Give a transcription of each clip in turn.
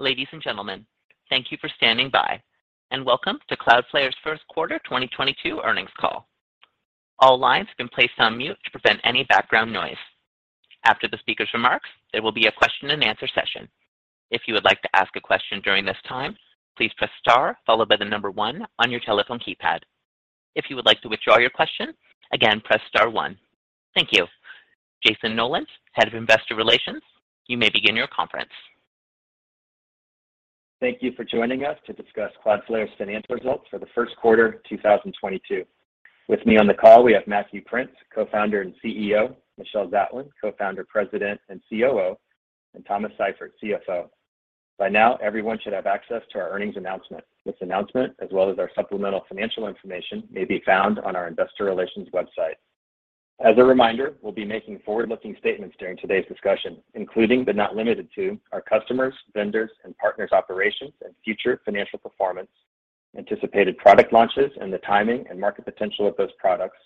Ladies and gentlemen, thank you for standing by, and welcome to Cloudflare's first quarter 2022 earnings call. All lines have been placed on mute to prevent any background noise. After the speaker's remarks, there will be a question and answer session. If you would like to ask a question during this time, please press star followed by the number one on your telephone keypad. If you would like to withdraw your question, again, press star one. Thank you. Jayson Noland, Head of Investor Relations, you may begin your conference. Thank you for joining us to discuss Cloudflare's financial results for the first quarter 2022. With me on the call, we have Matthew Prince, Co-Founder and CEO, Michelle Zatlyn, Co-Founder, President, and COO, and Thomas Seifert, CFO. By now, everyone should have access to our earnings announcement. This announcement, as well as our supplemental financial information, may be found on our investor relations website. As a reminder, we'll be making forward-looking statements during today's discussion, including but not limited to our customers, vendors, and partners operations and future financial performance, anticipated product launches and the timing and market potential of those products,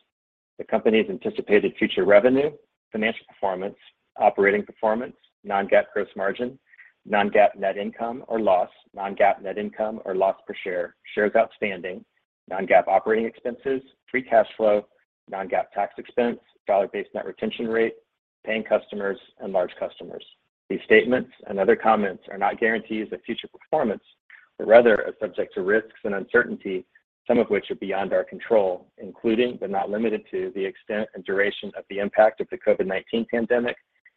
the company's anticipated future revenue, financial performance, operating performance, non-GAAP gross margin, non-GAAP net income or loss, non-GAAP net income or loss per share, shares outstanding, non-GAAP operating expenses, free cash flow, non-GAAP tax expense, dollar-based net retention rate, paying customers, and large customers. These statements and other comments are not guarantees of future performance, but rather are subject to risks and uncertainty, some of which are beyond our control, including but not limited to the extent and duration of the impact of the COVID-19 pandemic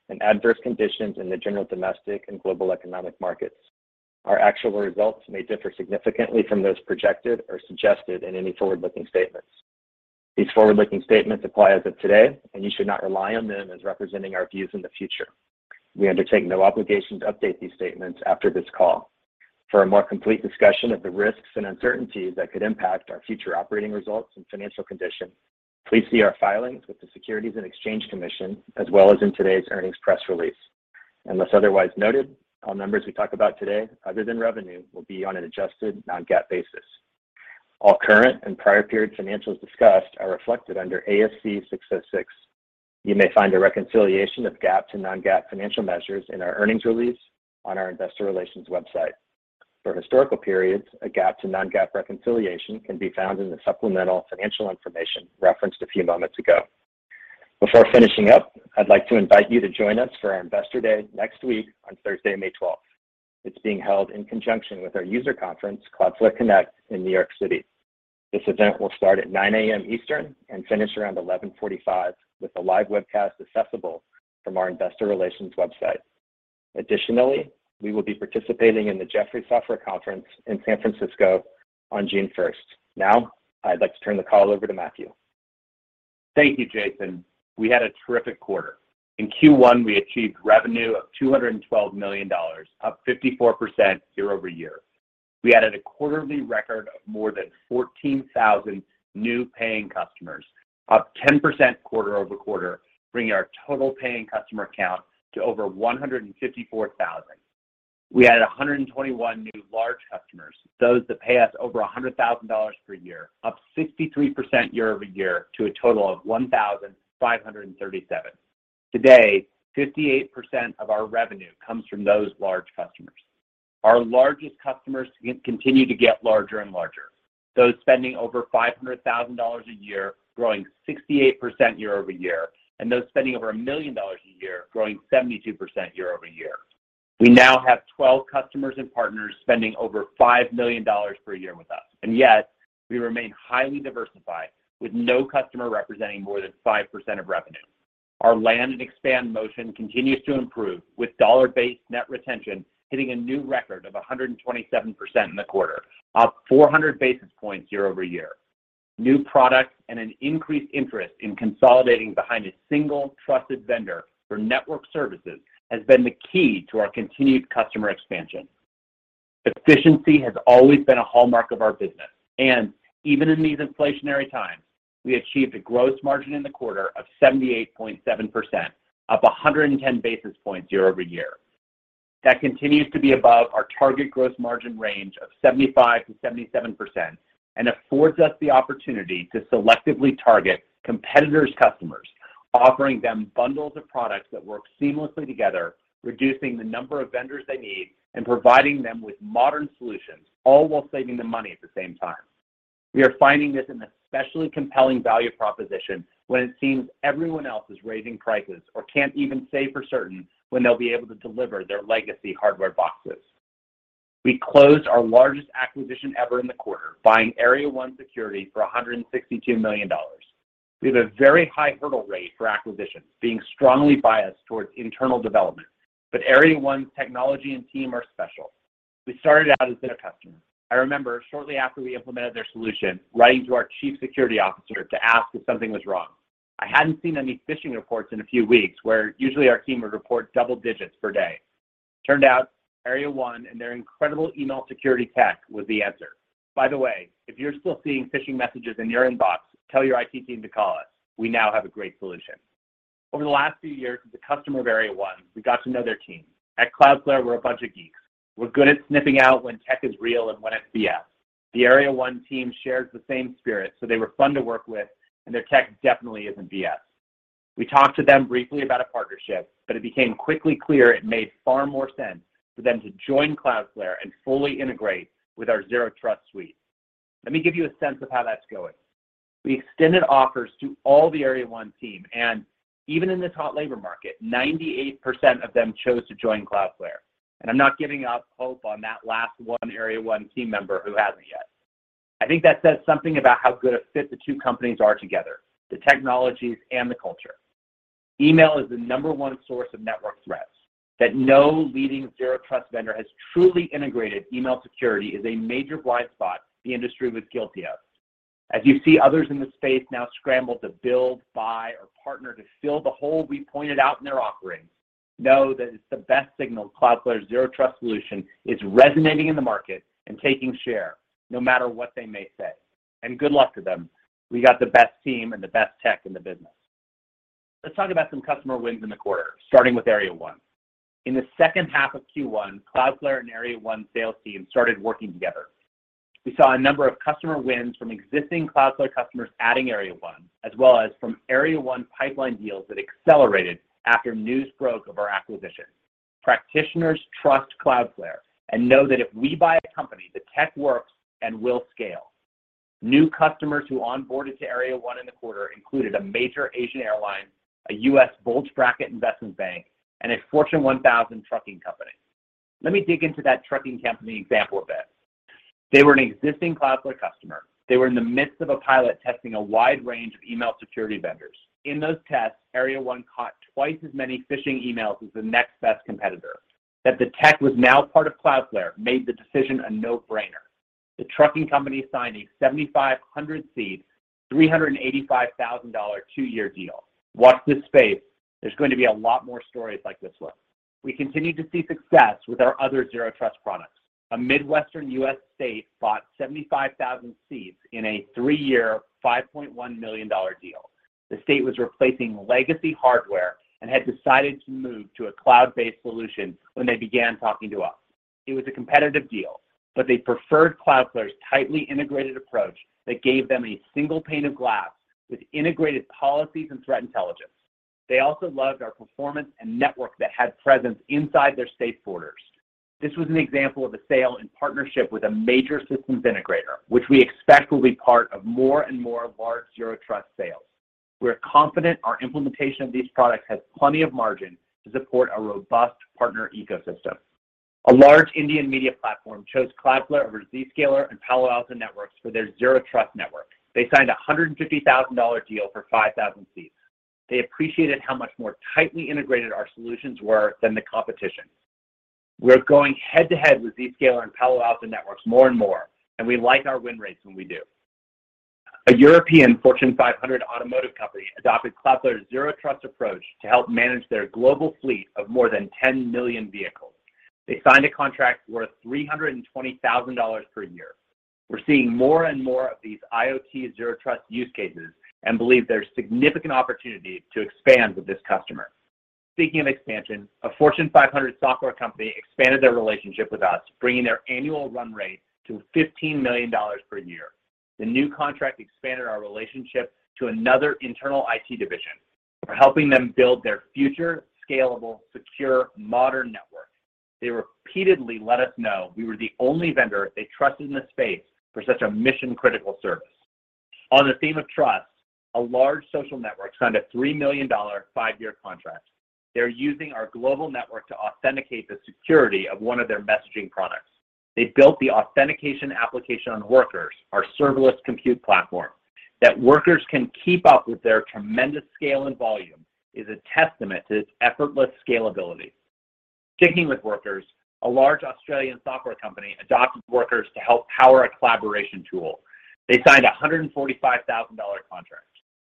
and adverse conditions in the general domestic and global economic markets. Our actual results may differ significantly from those projected or suggested in any forward-looking statements. These forward-looking statements apply as of today, and you should not rely on them as representing our views in the future. We undertake no obligation to update these statements after this call. For a more complete discussion of the risks and uncertainties that could impact our future operating results and financial condition, please see our filings with the Securities and Exchange Commission, as well as in today's earnings press release. Unless otherwise noted, all numbers we talk about today other than revenue will be on an adjusted non-GAAP basis. All current and prior period financials discussed are reflected under ASC 606. You may find a reconciliation of GAAP to non-GAAP financial measures in our earnings release on our investor relations website. For historical periods, a GAAP to non-GAAP reconciliation can be found in the supplemental financial information referenced a few moments ago. Before finishing up, I'd like to invite you to join us for our Investor Day next week on Thursday, May 12. It's being held in conjunction with our user conference, Cloudflare Connect, in New York City. This event will start at 9 A.M. Eastern and finish around 11:45 A.M., with a live webcast accessible from our Investor Relations website. Additionally, we will be participating in the Jefferies Software Conference in San Francisco on June 1st. Now, I'd like to turn the call over to Matthew. Thank you, Jayson. We had a terrific quarter. In Q1, we achieved revenue of $212 million, up 54% year-over-year. We added a quarterly record of more than 14,000 new paying customers, up 10% quarter-over-quarter, bringing our total paying customer count to over 154,000. We added 121 new large customers, those that pay us over $100,000 per year, up 63% year-over-year to a total of 1,537. Today, 58% of our revenue comes from those large customers. Our largest customers continue to get larger and larger. Those spending over $500,000 a year growing 68% year-over-year, and those spending over $1 million a year growing 72% year-over-year. We now have 12 customers and partners spending over $5 million per year with us, and yet we remain highly diversified with no customer representing more than 5% of revenue. Our land and expand motion continues to improve with dollar-based net retention hitting a new record of 127% in the quarter, up 400 basis points year-over-year. New products and an increased interest in consolidating behind a single trusted vendor for network services has been the key to our continued customer expansion. Efficiency has always been a hallmark of our business, and even in these inflationary times, we achieved a gross margin in the quarter of 78.7%, up 110 basis points year-over-year. That continues to be above our target gross margin range of 75%-77% and affords us the opportunity to selectively target competitors' customers, offering them bundles of products that work seamlessly together, reducing the number of vendors they need and providing them with modern solutions, all while saving them money at the same time. We are finding this an especially compelling value proposition when it seems everyone else is raising prices or can't even say for certain when they'll be able to deliver their legacy hardware boxes. We closed our largest acquisition ever in the quarter, buying Area 1 Security for $162 million. We have a very high hurdle rate for acquisitions, being strongly biased towards internal development, but Area 1's technology and team are special. We started out as their customer. I remember shortly after we implemented their solution, writing to our chief security officer to ask if something was wrong. I hadn't seen any phishing reports in a few weeks, where usually our team would report double digits per day. Turned out Area 1 and their incredible email security tech was the answer. By the way, if you're still seeing phishing messages in your inbox, tell your IT team to call us. We now have a great solution. Over the last few years as a customer of Area 1, we got to know their team. At Cloudflare, we're a bunch of geeks. We're good at sniffing out when tech is real and when it's BS. The Area 1 team shares the same spirit, so they were fun to work with, and their tech definitely isn't BS. We talked to them briefly about a partnership, but it became quickly clear it made far more sense for them to join Cloudflare and fully integrate with our Zero Trust suite. Let me give you a sense of how that's going. We extended offers to all the Area 1 team, and even in this hot labor market, 98% of them chose to join Cloudflare. I'm not giving up hope on that last one Area 1 team member who hasn't yet. I think that says something about how good a fit the two companies are together, the technologies and the culture. Email is the number one source of network threats. That no leading Zero Trust vendor has truly integrated email security is a major blind spot the industry was guilty of. As you see others in the space now scramble to build, buy, or partner to fill the hole we pointed out in their offerings, know that it's the best signal Cloudflare Zero Trust solution is resonating in the market and taking share no matter what they may say. Good luck to them. We got the best team and the best tech in the business. Let's talk about some customer wins in the quarter, starting with Area 1. In the second half of Q1, Cloudflare and Area 1 sales teams started working together. We saw a number of customer wins from existing Cloudflare customers adding Area 1, as well as from Area 1 pipeline deals that accelerated after news broke of our acquisition. Practitioners trust Cloudflare and know that if we buy a company, the tech works and will scale. New customers who onboarded to Area 1 in the quarter included a major Asian airline, a U.S. bulge bracket investment bank, and a Fortune 1000 trucking company. Let me dig into that trucking company example a bit. They were an existing Cloudflare customer. They were in the midst of a pilot testing a wide range of email security vendors. In those tests, Area 1 caught twice as many phishing emails as the next best competitor. That the tech was now part of Cloudflare made the decision a no-brainer. The trucking company signed a 7,500-seat, $385,000 two-year deal. Watch this space. There's going to be a lot more stories like this one. We continue to see success with our other Zero Trust products. A Midwestern U.S. state bought 75,000 seats in a three-year, $5.1 million deal. The state was replacing legacy hardware and had decided to move to a cloud-based solution when they began talking to us. It was a competitive deal, but they preferred Cloudflare's tightly integrated approach that gave them a single pane of glass with integrated policies and threat intelligence. They also loved our performance and network that had presence inside their state borders. This was an example of a sale in partnership with a major systems integrator, which we expect will be part of more and more large Zero Trust sales. We're confident our implementation of these products has plenty of margin to support a robust partner ecosystem. A large Indian media platform chose Cloudflare over Zscaler and Palo Alto Networks for their Zero Trust network. They signed a $150,000 deal for 5,000 seats. They appreciated how much more tightly integrated our solutions were than the competition. We're going head-to-head with Zscaler and Palo Alto Networks more and more, and we like our win rates when we do. A European Fortune 500 automotive company adopted Cloudflare's Zero Trust approach to help manage their global fleet of more than 10 million vehicles. They signed a contract worth $320,000 per year. We're seeing more and more of these IoT Zero Trust use cases and believe there's significant opportunity to expand with this customer. Speaking of expansion, a Fortune 500 software company expanded their relationship with us, bringing their annual run rate to $15 million per year. The new contract expanded our relationship to another internal IT division. We're helping them build their future scalable, secure, modern network. They repeatedly let us know we were the only vendor they trusted in the space for such a mission-critical service. On the theme of trust, a large social network signed a $3 million five-year contract. They're using our global network to authenticate the security of one of their messaging products. They built the authentication application on Workers, our serverless compute platform. That Workers can keep up with their tremendous scale and volume is a testament to its effortless scalability. Sticking with Workers, a large Australian software company adopted Workers to help power a collaboration tool. They signed a $145,000 contract.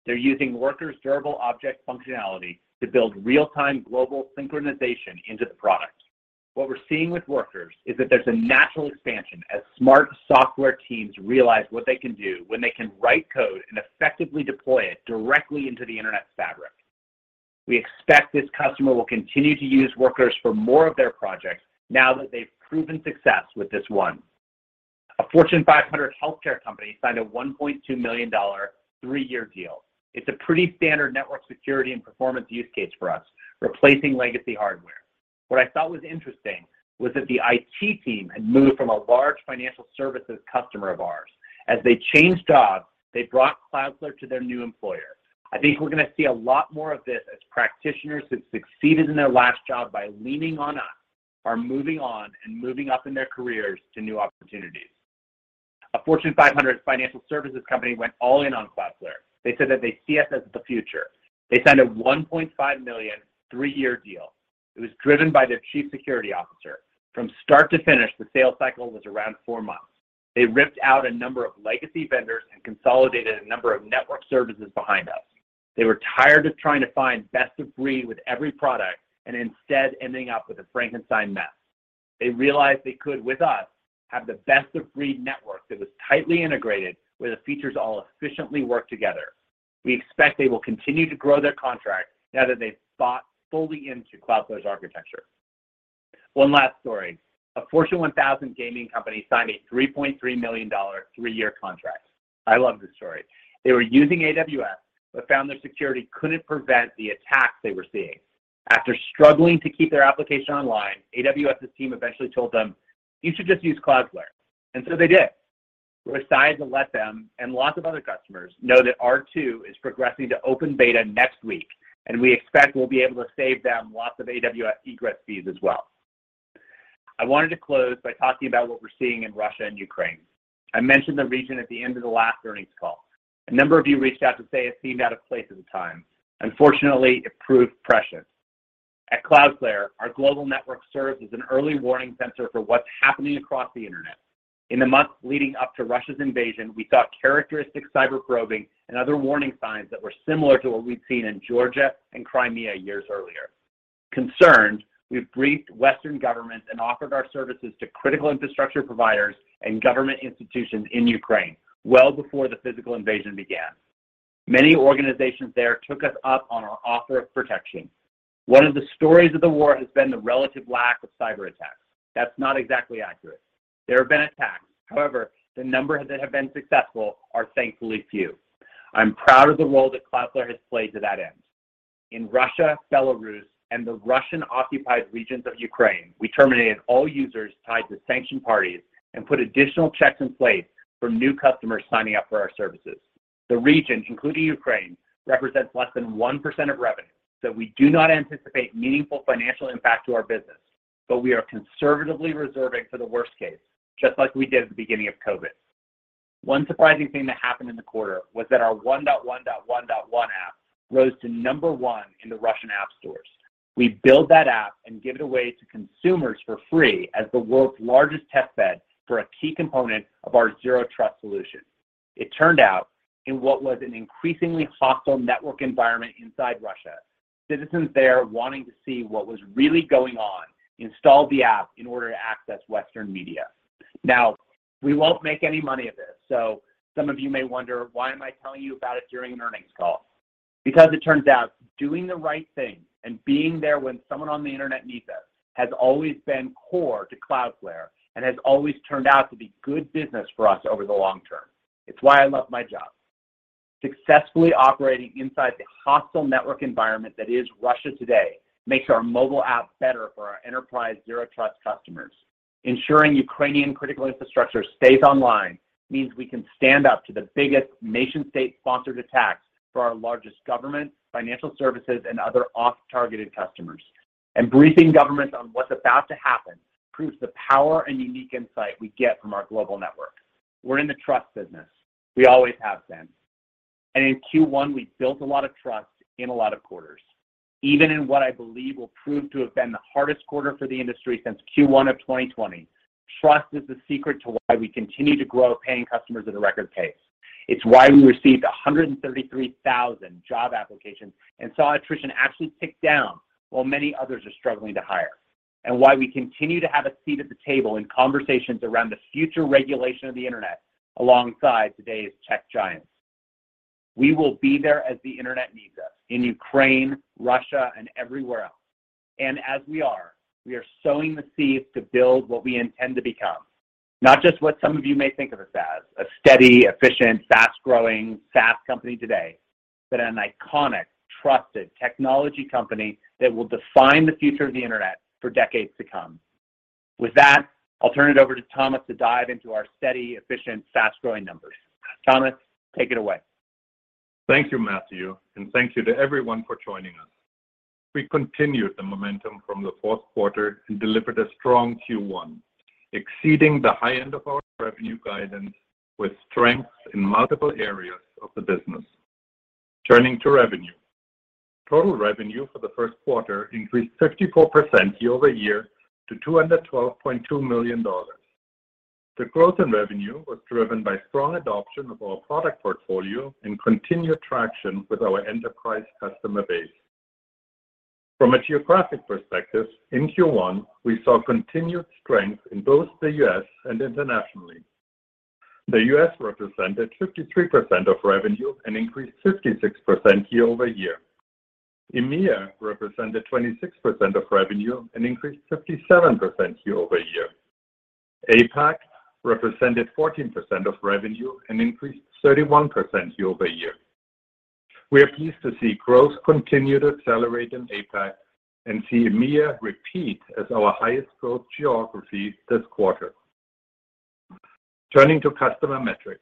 They're using Workers' Durable Objects functionality to build real-time global synchronization into the product. What we're seeing with Workers is that there's a natural expansion as smart software teams realize what they can do when they can write code and effectively deploy it directly into the Internet fabric. We expect this customer will continue to use Workers for more of their projects now that they've proven success with this one. A Fortune 500 healthcare company signed a $1.2 million three-year deal. It's a pretty standard network security and performance use case for us, replacing legacy hardware. What I thought was interesting was that the IT team had moved from a large financial services customer of ours. As they changed jobs, they brought Cloudflare to their new employer. I think we're going to see a lot more of this as practitioners who've succeeded in their last job by leaning on us are moving on and moving up in their careers to new opportunities. A Fortune 500 financial services company went all in on Cloudflare. They said that they see us as the future. They signed a $1.5 million three-year deal. It was driven by their chief security officer. From start to finish, the sales cycle was around four months. They ripped out a number of legacy vendors and consolidated a number of network services behind us. They were tired of trying to find best of breed with every product and instead ending up with a Frankenstein mess. They realized they could, with us, have the best of breed network that was tightly integrated, where the features all efficiently work together. We expect they will continue to grow their contract now that they've bought fully into Cloudflare's architecture. One last story. A Fortune 1,000 gaming company signed a $3.3 million three-year contract. I love this story. They were using AWS, but found their security couldn't prevent the attacks they were seeing. After struggling to keep their application online, AWS's team eventually told them, "You should just use Cloudflare," and so they did. We're excited to let them, and lots of other customers, know that R2 is progressing to open beta next week, and we expect we'll be able to save them lots of AWS egress fees as well. I wanted to close by talking about what we're seeing in Russia and Ukraine. I mentioned the region at the end of the last earnings call. A number of you reached out to say it seemed out of place at the time. Unfortunately, it proved precious. At Cloudflare, our global network serves as an early warning sensor for what's happening across the Internet. In the months leading up to Russia's invasion, we saw characteristic cyber probing and other warning signs that were similar to what we'd seen in Georgia and Crimea years earlier. Concerned, we briefed Western governments and offered our services to critical infrastructure providers and government institutions in Ukraine well before the physical invasion began. Many organizations there took us up on our offer of protection. One of the stories of the war has been the relative lack of cyberattacks. That's not exactly accurate. There have been attacks. However, the number that have been successful are thankfully few. I'm proud of the role that Cloudflare has played to that end. In Russia, Belarus, and the Russian-occupied regions of Ukraine, we terminated all users tied to sanctioned parties and put additional checks in place for new customers signing up for our services. The region, including Ukraine, represents less than 1% of revenue, so we do not anticipate meaningful financial impact to our business, but we are conservatively reserving for the worst case, just like we did at the beginning of COVID. One surprising thing that happened in the quarter was that our 1.1.1.1 app rose to number 1 in the Russian app stores. We build that app and give it away to consumers for free as the world's largest test bed for a key component of our Zero Trust solution. It turned out in what was an increasingly hostile network environment inside Russia, citizens there wanting to see what was really going on, installed the app in order to access Western media. Now, we won't make any money at this, so some of you may wonder, why am I telling you about it during an earnings call? Because it turns out doing the right thing and being there when someone on the Internet needs us has always been core to Cloudflare and has always turned out to be good business for us over the long term. It's why I love my job. Successfully operating inside the hostile network environment that is Russia today makes our mobile app better for our enterprise Zero Trust customers. Ensuring Ukrainian critical infrastructure stays online means we can stand up to the biggest nation-state sponsored attacks for our largest government, financial services, and other oft-targeted customers. Briefing governments on what's about to happen proves the power and unique insight we get from our global network. We're in the trust business. We always have been. In Q1, we built a lot of trust in a lot of quarters. Even in what I believe will prove to have been the hardest quarter for the industry since Q1 of 2020, trust is the secret to why we continue to grow paying customers at a record pace. It's why we received 133,000 job applications and saw attrition actually tick down while many others are struggling to hire. Why we continue to have a seat at the table in conversations around the future regulation of the Internet alongside today's tech giants. We will be there as the Internet needs us in Ukraine, Russia, and everywhere else. As we are, we are sowing the seeds to build what we intend to become, not just what some of you may think of us as, a steady, efficient, fast-growing, SaaS company today, but an iconic, trusted technology company that will define the future of the Internet for decades to come. With that, I'll turn it over to Thomas to dive into our steady, efficient, fast-growing numbers. Thomas, take it away. Thank you, Matthew, and thank you to everyone for joining us. We continued the momentum from the fourth quarter and delivered a strong Q1, exceeding the high end of our revenue guidance with strength in multiple areas of the business. Turning to revenue. Total revenue for the first quarter increased 54% year-over-year to $212.2 million. The growth in revenue was driven by strong adoption of our product portfolio and continued traction with our enterprise customer base. From a geographic perspective, in Q1, we saw continued strength in both the U.S. and internationally. The U.S. represented 53% of revenue and increased 56% year-over-year. EMEA represented 26% of revenue and increased 57% year-over-year. APAC represented 14% of revenue and increased 31% year-over-year. We are pleased to see growth continue to accelerate in APAC and see EMEA repeat as our highest growth geography this quarter. Turning to customer metrics.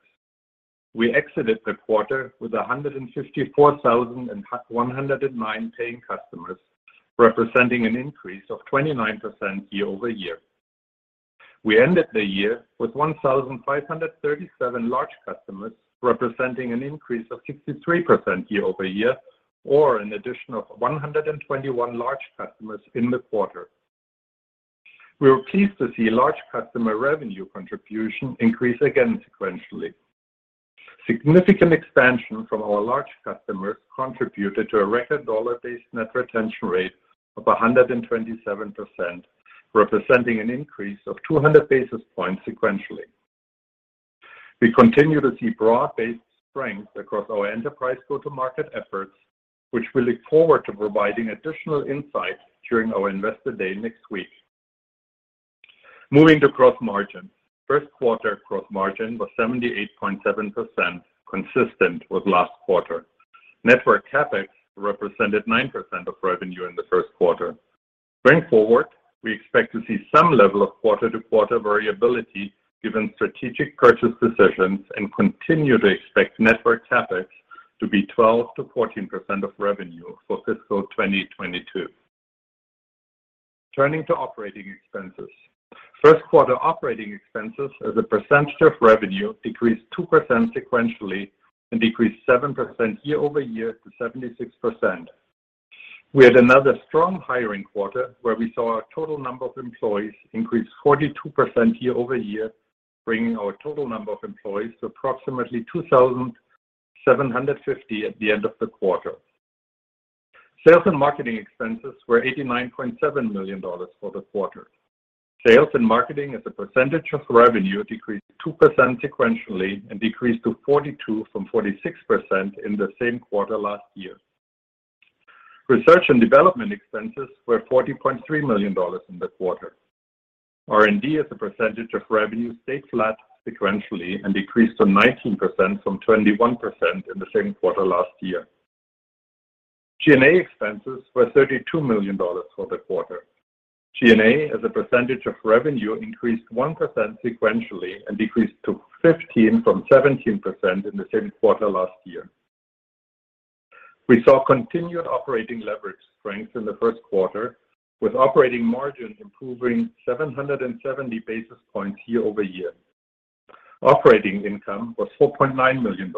We exited the quarter with 154,109 paying customers, representing an increase of 29% year-over-year. We ended the year with 1,537 large customers, representing an increase of 63% year-over-year or an addition of 121 large customers in the quarter. We were pleased to see large customer revenue contribution increase again sequentially. Significant expansion from our large customers contributed to a record dollar-based net retention rate of 127%, representing an increase of 200 basis points sequentially. We continue to see broad-based strength across our enterprise go-to-market efforts, which we look forward to providing additional insight during our Investor Day next week. Moving to gross margin. First quarter gross margin was 78.7%, consistent with last quarter. Network CapEx represented 9% of revenue in the first quarter. Going forward, we expect to see some level of quarter-to-quarter variability given strategic purchase decisions and continue to expect network CapEx to be 12%-14% of revenue for fiscal 2022. Turning to operating expenses. First quarter operating expenses as a percentage of revenue decreased 2% sequentially and decreased 7% year-over-year to 76%. We had another strong hiring quarter where we saw our total number of employees increase 42% year-over-year, bringing our total number of employees to approximately 2,750 at the end of the quarter. Sales and Marketing expenses were $89.7 million for the quarter. Sales and Marketing as a percentage of revenue decreased 2% sequentially and decreased to 42% from 46% in the same quarter last year. Research and development expenses were $40.3 million in the quarter. R&D as a percentage of revenue stayed flat sequentially and decreased to 19% from 21% in the same quarter last year. G&A expenses were $32 million for the quarter. G&A as a percentage of revenue increased 1% sequentially and decreased to 15% from 17% in the same quarter last year. We saw continued operating leverage strength in the first quarter, with operating margin improving 770 basis points year-over-year. Operating income was $4.9 million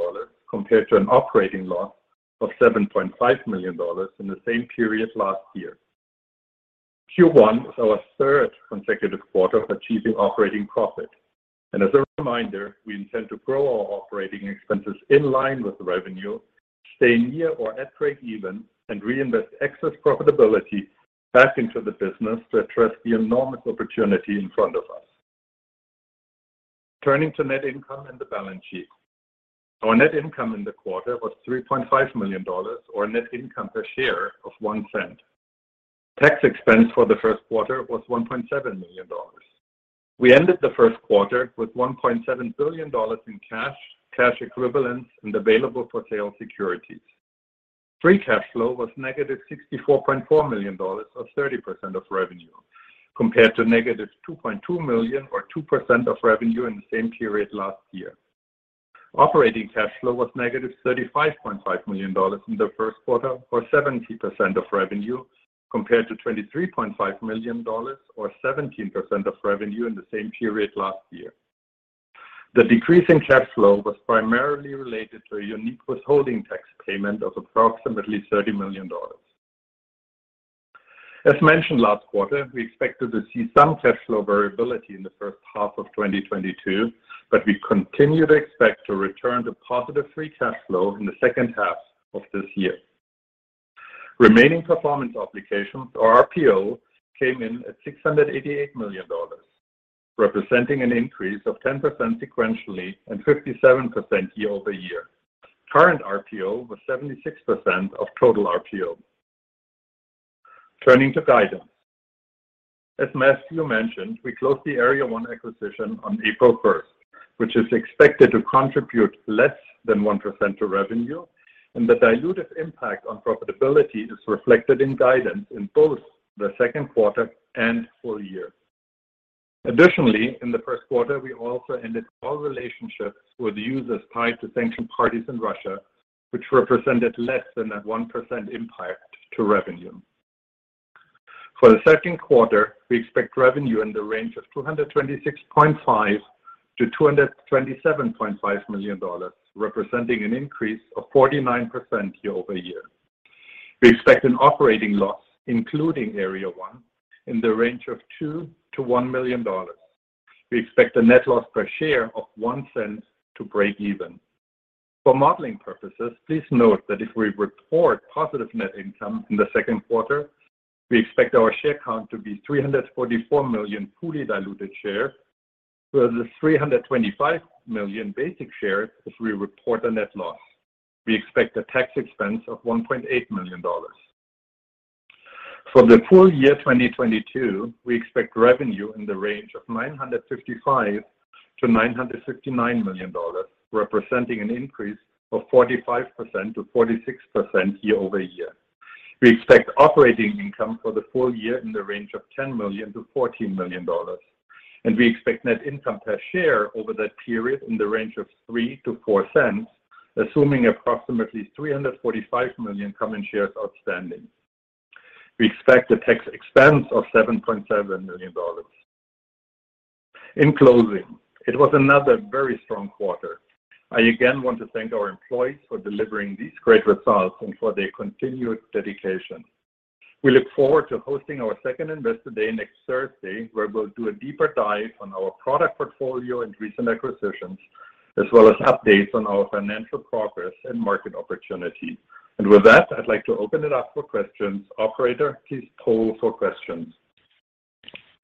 compared to an operating loss of $7.5 million in the same period last year. Q1 was our third consecutive quarter of achieving operating profit. As a reminder, we intend to grow our operating expenses in line with revenue, staying near or at breakeven, and reinvest excess profitability back into the business to address the enormous opportunity in front of us. Turning to net income and the balance sheet. Our net income in the quarter was $3.5 million or a net income per share of $0.01. Tax expense for the first quarter was $1.7 million. We ended the first quarter with $1.7 billion in cash equivalents, and available for sale securities. Free cash flow was -$64.4 million or 30% of revenue, compared to -$2.2 million or 2% of revenue in the same period last year. Operating cash flow was -$35.5 million in the first quarter or 70% of revenue, compared to $23.5 million or 17% of revenue in the same period last year. The decrease in cash flow was primarily related to a unique withholding tax payment of approximately $30 million. As mentioned last quarter, we expected to see some cash flow variability in the first half of 2022, but we continue to expect to return to positive free cash flow in the second half of this year. Remaining performance obligations or RPO came in at $688 million, representing an increase of 10% sequentially and 57% year-over-year. Current RPO was 76% of total RPO. Turning to guidance. As Matthew mentioned, we closed the Area 1 Security acquisition on April 1st, which is expected to contribute less than 1% to revenue, and the dilutive impact on profitability is reflected in guidance in both the second quarter and full year. Additionally, in the first quarter, we also ended all relationships with users tied to sanctioned parties in Russia, which represented less than a 1% impact to revenue. For the second quarter, we expect revenue in the range of $226.5 million-$227.5 million, representing an increase of 49% year-over-year. We expect an operating loss, including Area 1 in the range of $2 million-$1 million. We expect a net loss per share of $0.01 to breakeven. For modeling purposes, please note that if we report positive net income in the second quarter, we expect our share count to be 344 million fully diluted shares to the 325 million basic shares if we report a net loss. We expect a tax expense of $1.8 million. For the full year 2022, we expect revenue in the range of $955 million-$959 million, representing an increase of 45%-46% year-over-year. We expect operating income for the full year in the range of $10 million-$14 million, and we expect net income per share over that period in the range of $0.03-$0.04, assuming approximately 345 million common shares outstanding. We expect a tax expense of $7.7 million. In closing, it was another very strong quarter. I again want to thank our employees for delivering these great results and for their continued dedication. We look forward to hosting our second Investor Day next Thursday, where we'll do a deeper dive on our product portfolio and recent acquisitions, as well as updates on our financial progress and market opportunity. With that, I'd like to open it up for questions. Operator, please poll for questions.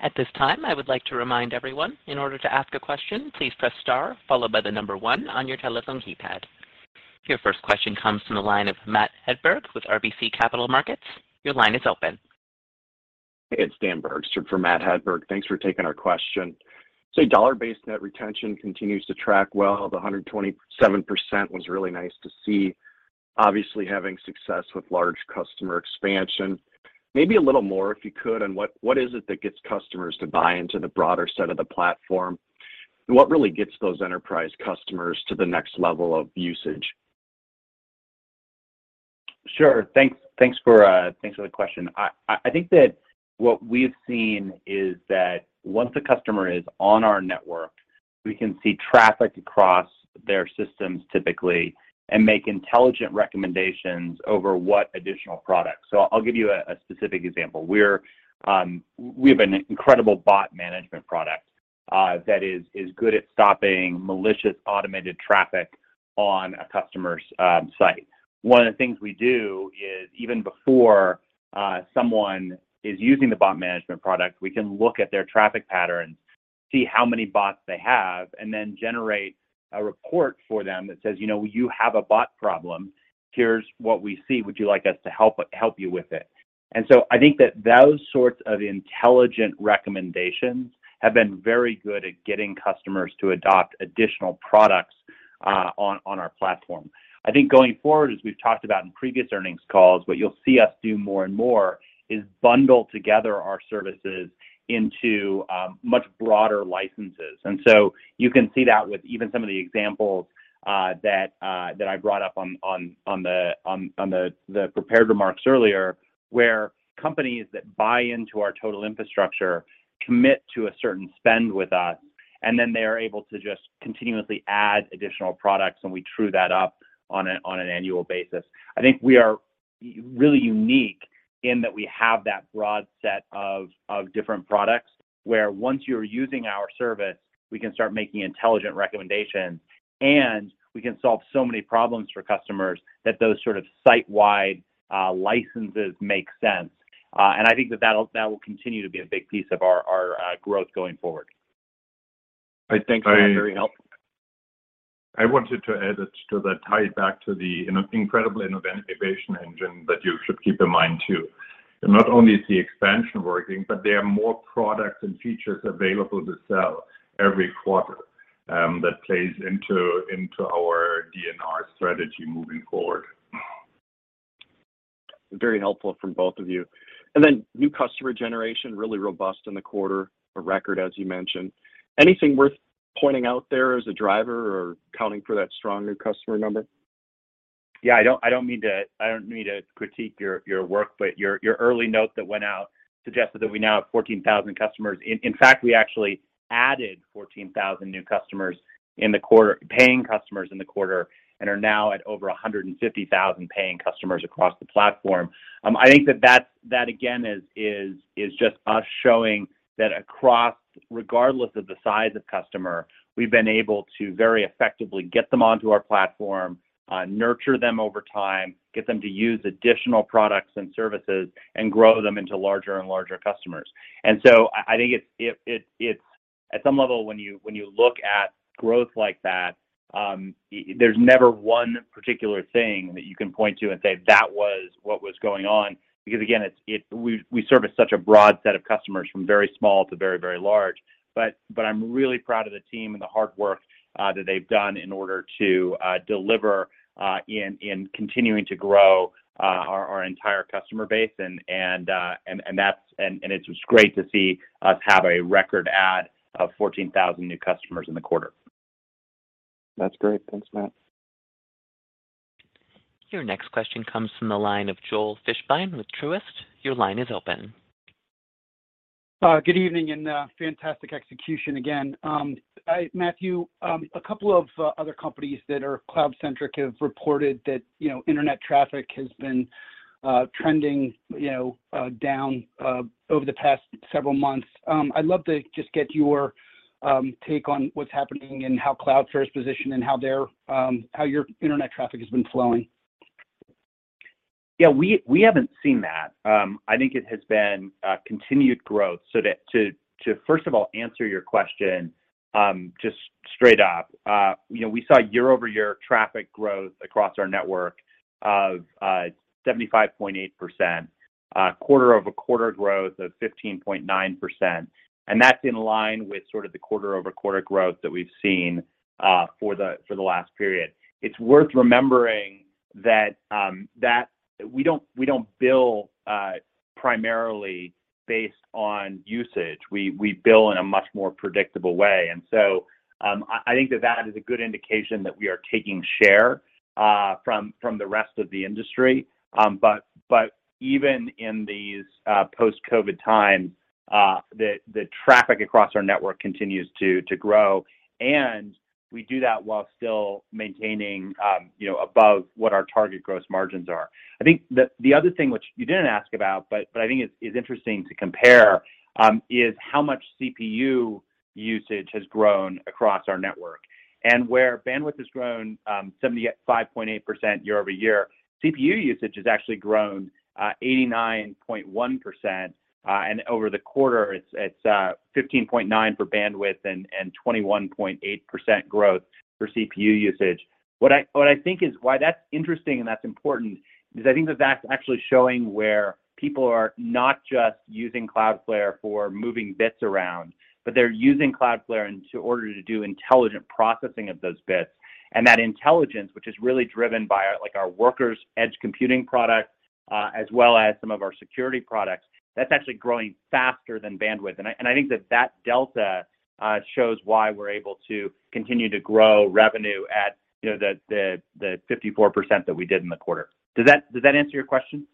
At this time, I would like to remind everyone, in order to ask a question, please press star followed by the number one on your telephone keypad. Your first question comes from the line of Matthew Hedberg with RBC Capital Markets. Your line is open. It's Dan Bergstrom for Matt Hedberg. Thanks for taking our question. Dollar-Based Net Retention continues to track well. The 127% was really nice to see. Obviously, having success with large customer expansion. Maybe a little more, if you could, on what is it that gets customers to buy into the broader set of the platform? What really gets those enterprise customers to the next level of usage? Sure. Thanks for the question. I think that what we've seen is that once a customer is on our network, we can see traffic across their systems typically and make intelligent recommendations over what additional products. I'll give you a specific example. We have an incredible bot management product that is good at stopping malicious automated traffic on a customer's site. One of the things we do is even before someone is using the bot management product, we can look at their traffic patterns, see how many bots they have, and then generate a report for them that says, "You know, you have a bot problem. Here's what we see. Would you like us to help you with it?" I think that those sorts of intelligent recommendations have been very good at getting customers to adopt additional products on our platform. I think going forward, as we've talked about in previous earnings calls, what you'll see us do more and more is bundle together our services into much broader licenses. You can see that with even some of the examples that I brought up on the prepared remarks earlier, where companies that buy into our total infrastructure commit to a certain spend with us, and then they are able to just continuously add additional products, and we true that up on an annual basis. I think we are really unique in that we have that broad set of different products, where once you're using our service, we can start making intelligent recommendations, and we can solve so many problems for customers that those sort of site-wide licenses make sense. I think that that will continue to be a big piece of our growth going forward. All right. Thanks, Matt. Very helpful. I wanted to add it to the tie back to the incredible innovation engine that you should keep in mind too. Not only is the expansion working, but there are more products and features available to sell every quarter, that plays into our DNR strategy moving forward. Very helpful from both of you. New customer generation, really robust in the quarter. A record, as you mentioned. Anything worth pointing out there as a driver or accounting for that strong new customer number? Yeah, I don't mean to critique your work, but your early note that went out suggested that we now have 14,000 customers. In fact, we actually added 14,000 new customers in the quarter, paying customers in the quarter and are now at over 150,000 paying customers across the platform. I think that's again is just us showing that across, regardless of the size of customer, we've been able to very effectively get them onto our platform, nurture them over time, get them to use additional products and services, and grow them into larger and larger customers. I think it's at some level, when you look at growth like that, there's never one particular thing that you can point to and say, "That was what was going on." Because again, we service such a broad set of customers from very small to very large. I'm really proud of the team and the hard work that they've done in order to deliver in continuing to grow our entire customer base. That's. It's just great to see us have a record add of 14,000 new customers in the quarter. That's great. Thanks, Matt. Your next question comes from the line of Joel Fishbein with Truist. Your line is open. Good evening and fantastic execution again. Matthew, a couple of other companies that are cloud-centric have reported that, you know, internet traffic has been trending, you know, down over the past several months. I'd love to just get your take on what's happening and how Cloudflare's positioned and how your internet traffic has been flowing? Yeah, we haven't seen that. I think it has been continued growth. To first of all answer your question, just straight up, you know, we saw year-over-year traffic growth across our network of 75.8%, quarter-over-quarter growth of 15.9%, and that's in line with sort of the quarter-over-quarter growth that we've seen for the last period. It's worth remembering that we don't bill primarily based on usage. We bill in a much more predictable way. I think that is a good indication that we are taking share from the rest of the industry. Even in these post-COVID times, the traffic across our network continues to grow, and we do that while still maintaining, you know, above what our target gross margins are. I think the other thing which you didn't ask about, but I think is interesting to compare is how much CPU usage has grown across our network. Where bandwidth has grown 75.8% year-over-year, CPU usage has actually grown 89.1%. Over the quarter, it's 15.9% for bandwidth and 21.8% growth for CPU usage. What I think is why that's interesting and that's important is I think that that's actually showing where people are not just using Cloudflare for moving bits around, but they're using Cloudflare in order to do intelligent processing of those bits. And that intelligence, which is really driven by, like, our Workers edge computing product, as well as some of our security products, that's actually growing faster than bandwidth. And I think that delta shows why we're able to continue to grow revenue at, you know, the 54% that we did in the quarter. Does that answer your question?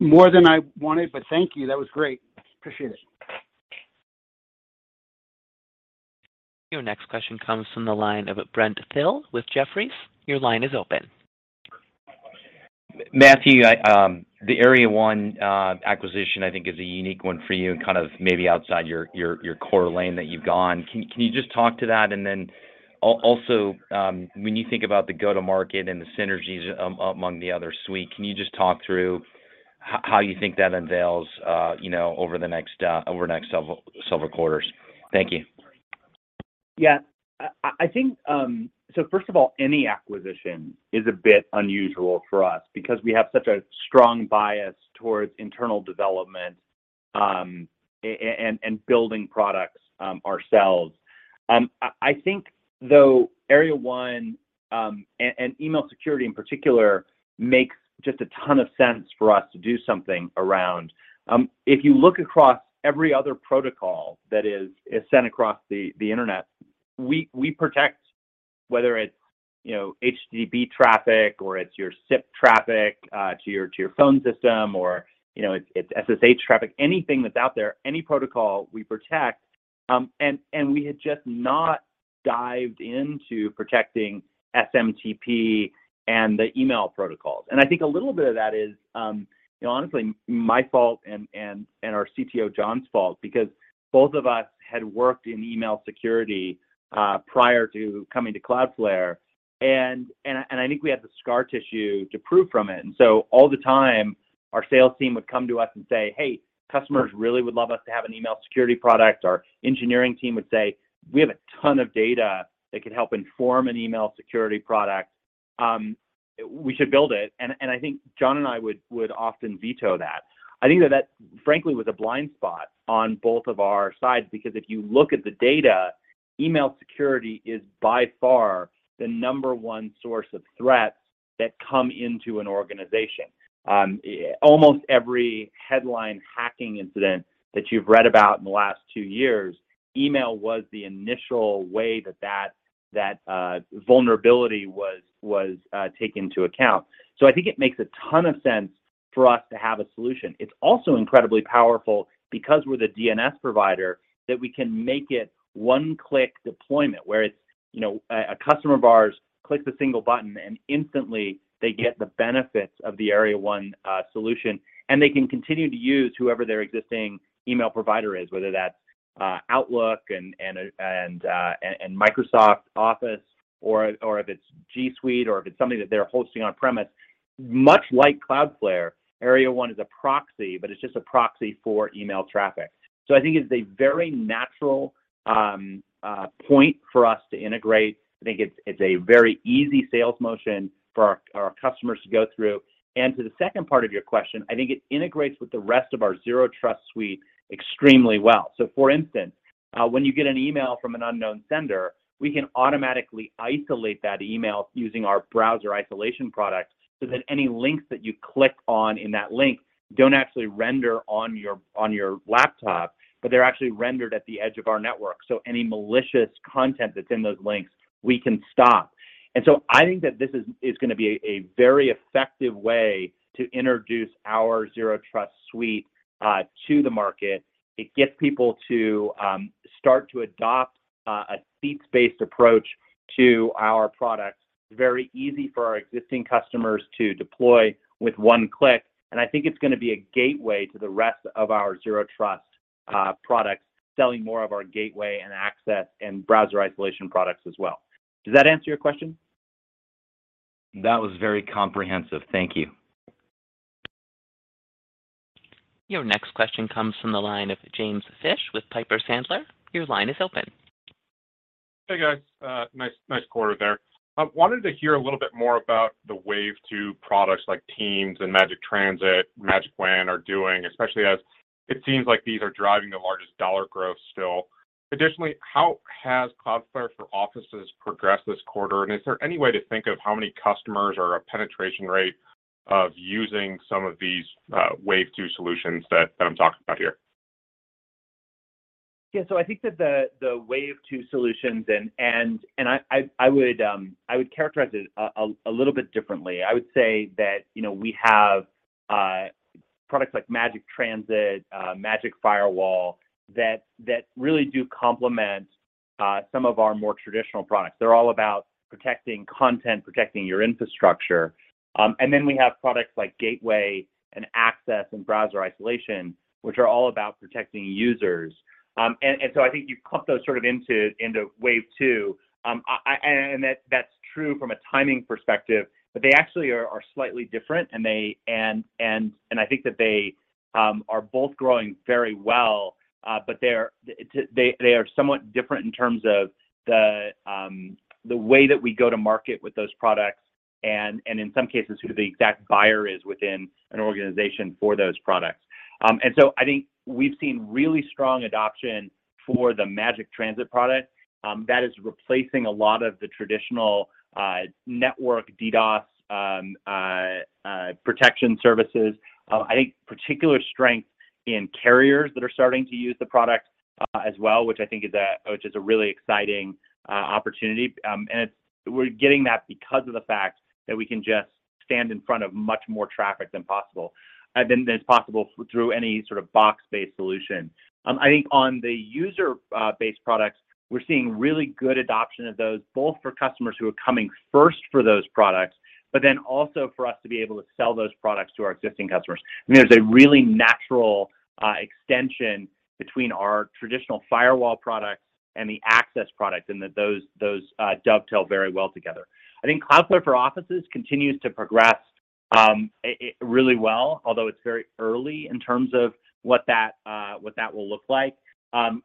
More than I wanted, but thank you. That was great. Appreciate it. Your next question comes from the line of Brent Thill with Jefferies. Your line is open. Matthew, the Area 1 acquisition, I think is a unique one for you and kind of maybe outside your core lane that you've gone. Can you just talk to that? Also, when you think about the go-to-market and the synergies among the other suite, can you just talk through how you think that unveils, you know, over the next several quarters? Thank you. Yeah. I think first of all, any acquisition is a bit unusual for us because we have such a strong bias towards internal development and building products ourselves. I think though Area 1 and Email Security in particular makes just a ton of sense for us to do something around. If you look across every other protocol that is sent across the internet, we protect whether it's you know HTTP traffic or it's your SIP traffic to your phone system, or you know it's SSH traffic, anything that's out there, any protocol we protect. We had just not dived into protecting SMTP and the email protocols. I think a little bit of that is, you know, honestly my fault and our CTO John Graham-Cumming's fault, because both of us had worked in email security, prior to coming to Cloudflare. I think we had the scar tissue to prove from it. All the time our sales team would come to us and say, "Hey, customers really would love us to have an email security product." Our engineering team would say, "We have a ton of data that could help inform an email security product. We should build it." I think John Graham-Cumming and I would often veto that. I think that frankly was a blind spot on both of our sides because if you look at the data, email security is by far the number one source of threats that come into an organization. Almost every headline hacking incident that you've read about in the last two years, email was the initial way that vulnerability was taken into account. I think it makes a ton of sense for us to have a solution. It's also incredibly powerful because we're the DNS provider that we can make it one-click deployment, where it's, you know, a customer of ours clicks a single button and instantly they get the benefits of the Area 1 solution, and they can continue to use whoever their existing email provider is, whether that's Outlook and Microsoft Office or if it's G Suite or if it's something that they're hosting on-premise. Much like Cloudflare, Area 1 is a proxy, but it's just a proxy for email traffic. I think it's a very natural point for us to integrate. I think it's a very easy sales motion for our customers to go through. To the second part of your question, I think it integrates with the rest of our Zero Trust Suite extremely well. For instance, when you get an email from an unknown sender, we can automatically isolate that email using our Browser Isolation product so that any links that you click on in that email don't actually render on your laptop, but they're actually rendered at the edge of our network. Any malicious content that's in those links we can stop. I think that this is gonna be a very effective way to introduce our Zero Trust Suite to the market. It gets people to start to adopt a seats-based approach to our products. It's very easy for our existing customers to deploy with one click, and I think it's gonna be a gateway to the rest of our Zero Trust products, selling more of our Gateway and Access and Browser Isolation products as well. Does that answer your question? That was very comprehensive. Thank you. Your next question comes from the line of James Fish with Piper Sandler. Your line is open. Hey, guys. Nice quarter there. I wanted to hear a little bit more about the Wave 2 products like Teams and Magic Transit, Magic WAN are doing, especially as it seems like these are driving the largest dollar growth still. Additionally, how has Cloudflare for Offices progressed this quarter, and is there any way to think of how many customers or a penetration rate of using some of these Wave 2 solutions that I'm talking about here? Yeah. I think that Wave 2 solutions and I would characterize it a little bit differently. I would say that, you know, we have products like Magic Transit, Magic Firewall that really do complement some of our more traditional products. They're all about protecting content, protecting your infrastructure. Then we have products like Gateway and Access and Browser Isolation, which are all about protecting users. I think you've clumped those sort of into Wave 2. And that's true from a timing perspective, but they actually are slightly different, and they are both growing very well. They're somewhat different in terms of the way that we go to market with those products and in some cases who the exact buyer is within an organization for those products. I think we've seen really strong adoption for the Magic Transit product that is replacing a lot of the traditional network DDoS protection services. I think particular strength in carriers that are starting to use the product as well, which is a really exciting opportunity. We're getting that because of the fact that we can just stand in front of much more traffic than is possible through any sort of box-based solution. I think on the user based products, we're seeing really good adoption of those, both for customers who are coming first for those products, but then also for us to be able to sell those products to our existing customers. I mean, there's a really natural extension between our traditional firewall products and the access product, in that those dovetail very well together. I think Cloudflare for Offices continues to progress really well, although it's very early in terms of what that will look like.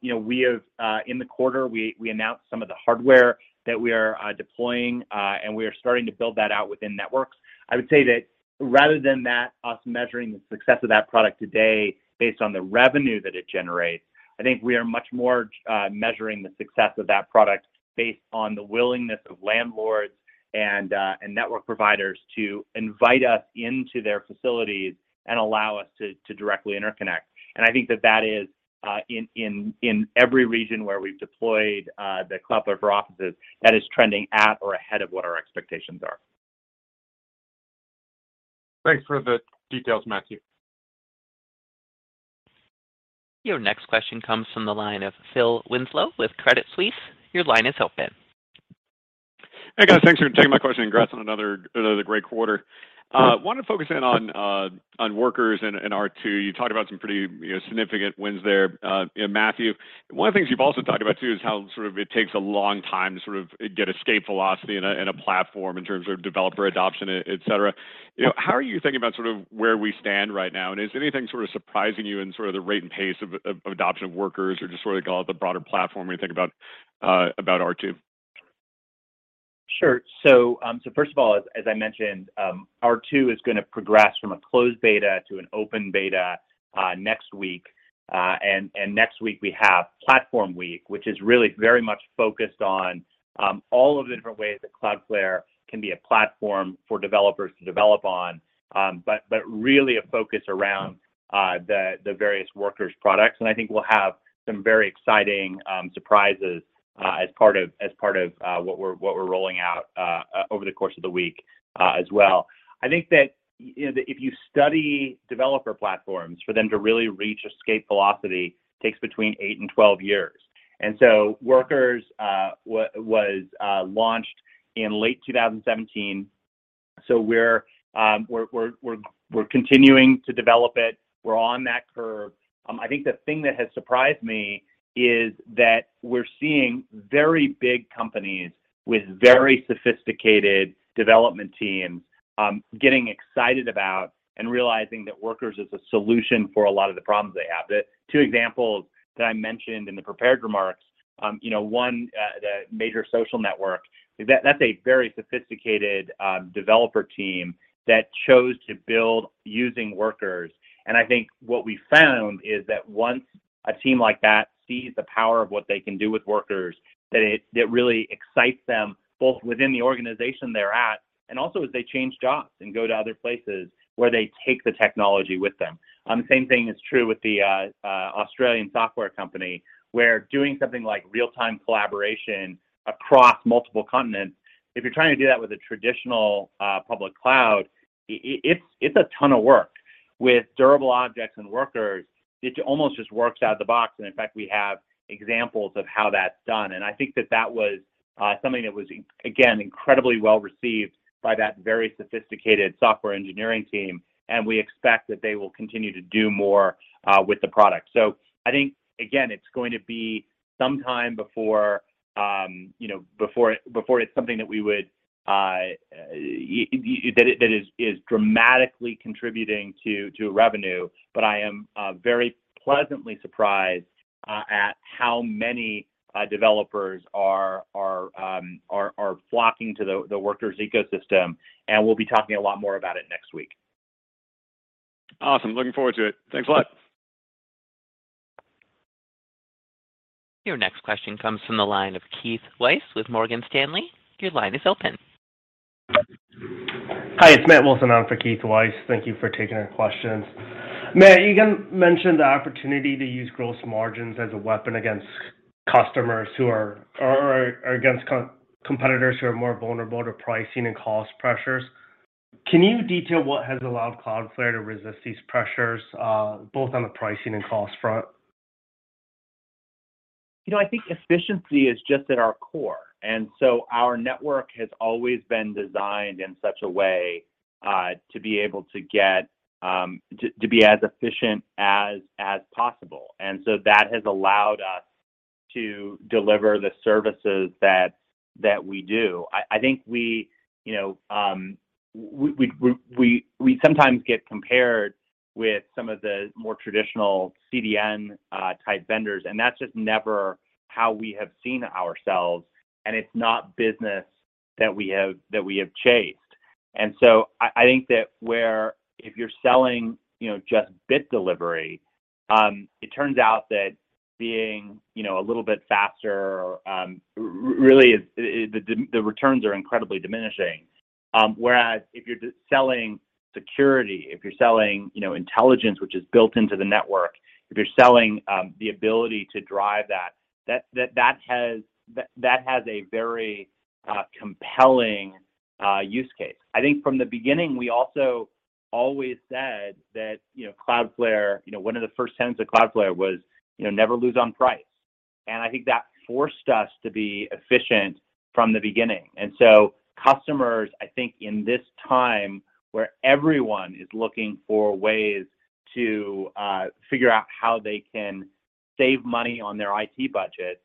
You know, we have in the quarter, we announced some of the hardware that we are deploying, and we are starting to build that out within networks. I would say that rather than that, us measuring the success of that product today based on the revenue that it generates, I think we are much more measuring the success of that product based on the willingness of landlords and network providers to invite us into their facilities and allow us to directly interconnect. I think that is in every region where we've deployed the Cloudflare for Offices, that is trending at or ahead of what our expectations are. Thanks for the details, Matthew. Your next question comes from the line of Phil Winslow with Credit Suisse. Your line is open. Hey, guys. Thanks for taking my question, and congrats on another great quarter. Wanted to focus in on Workers and R2. You talked about some pretty, you know, significant wins there, you know, Matthew. One of the things you've also talked about too is how sort of it takes a long time to sort of get escape velocity in a platform in terms of developer adoption, et cetera. You know, how are you thinking about sort of where we stand right now, and is anything sort of surprising you in sort of the rate and pace of adoption of Workers or just sort of call it the broader platform when you think about R2? Sure. First of all, as I mentioned, R2 is gonna progress from a closed beta to an open beta next week. Next week we have Platform Week, which is really very much focused on all of the different ways that Cloudflare can be a platform for developers to develop on, but really a focus around the various Workers products, and I think we'll have some very exciting surprises as part of what we're rolling out over the course of the week as well. I think that you know, if you study developer platforms, for them to really reach escape velocity takes between 8 and 12 years. Workers was launched in late 2017, so we're continuing to develop it. We're on that curve. I think the thing that has surprised me is that we're seeing very big companies with very sophisticated development teams getting excited about and realizing that Workers is a solution for a lot of the problems they have. The two examples that I mentioned in the prepared remarks, you know, one, the major social network, that's a very sophisticated developer team that chose to build using Workers. I think what we found is that once a team like that sees the power of what they can do with Workers, that it really excites them, both within the organization they're at and also as they change jobs and go to other places, where they take the technology with them. The same thing is true with the Australian software company, where doing something like real-time collaboration across multiple continents, if you're trying to do that with a traditional public cloud, it's a ton of work. With Durable Objects and Workers, it almost just works out of the box, and in fact, we have examples of how that's done. I think that was something that was, again, incredibly well-received by that very sophisticated software engineering team, and we expect that they will continue to do more with the product. I think, again, it's going to be some time before, you know, before it's something that is dramatically contributing to revenue. I am very pleasantly surprised at how many developers are flocking to the Workers ecosystem, and we'll be talking a lot more about it next week. Awesome. Looking forward to it. Thanks a lot. Your next question comes from the line of Keith Weiss with Morgan Stanley. Your line is open. Hi, it's Matt Wilson on for Keith Weiss. Thank you for taking our questions. Matt, you mentioned the opportunity to use gross margins as a weapon against competitors who are more vulnerable to pricing and cost pressures. Can you detail what has allowed Cloudflare to resist these pressures, both on the pricing and cost front? You know, I think efficiency is just at our core. Our network has always been designed in such a way to be as efficient as possible. That has allowed us to deliver the services that we do. I think we, you know, sometimes get compared with some of the more traditional CDN type vendors, and that's just never how we have seen ourselves, and it's not business that we have chased. I think that where if you're selling, you know, just bit delivery, it turns out that being, you know, a little bit faster, really is. The returns are incredibly diminishing. Whereas if you're selling security, if you're selling, you know, intelligence which is built into the network, if you're selling the ability to drive that has a very compelling use case. I think from the beginning, we also always said that, you know, Cloudflare, you know, one of the first tenets of Cloudflare was, you know, never lose on price. I think that forced us to be efficient from the beginning. Customers, I think in this time, where everyone is looking for ways to figure out how they can save money on their IT budgets,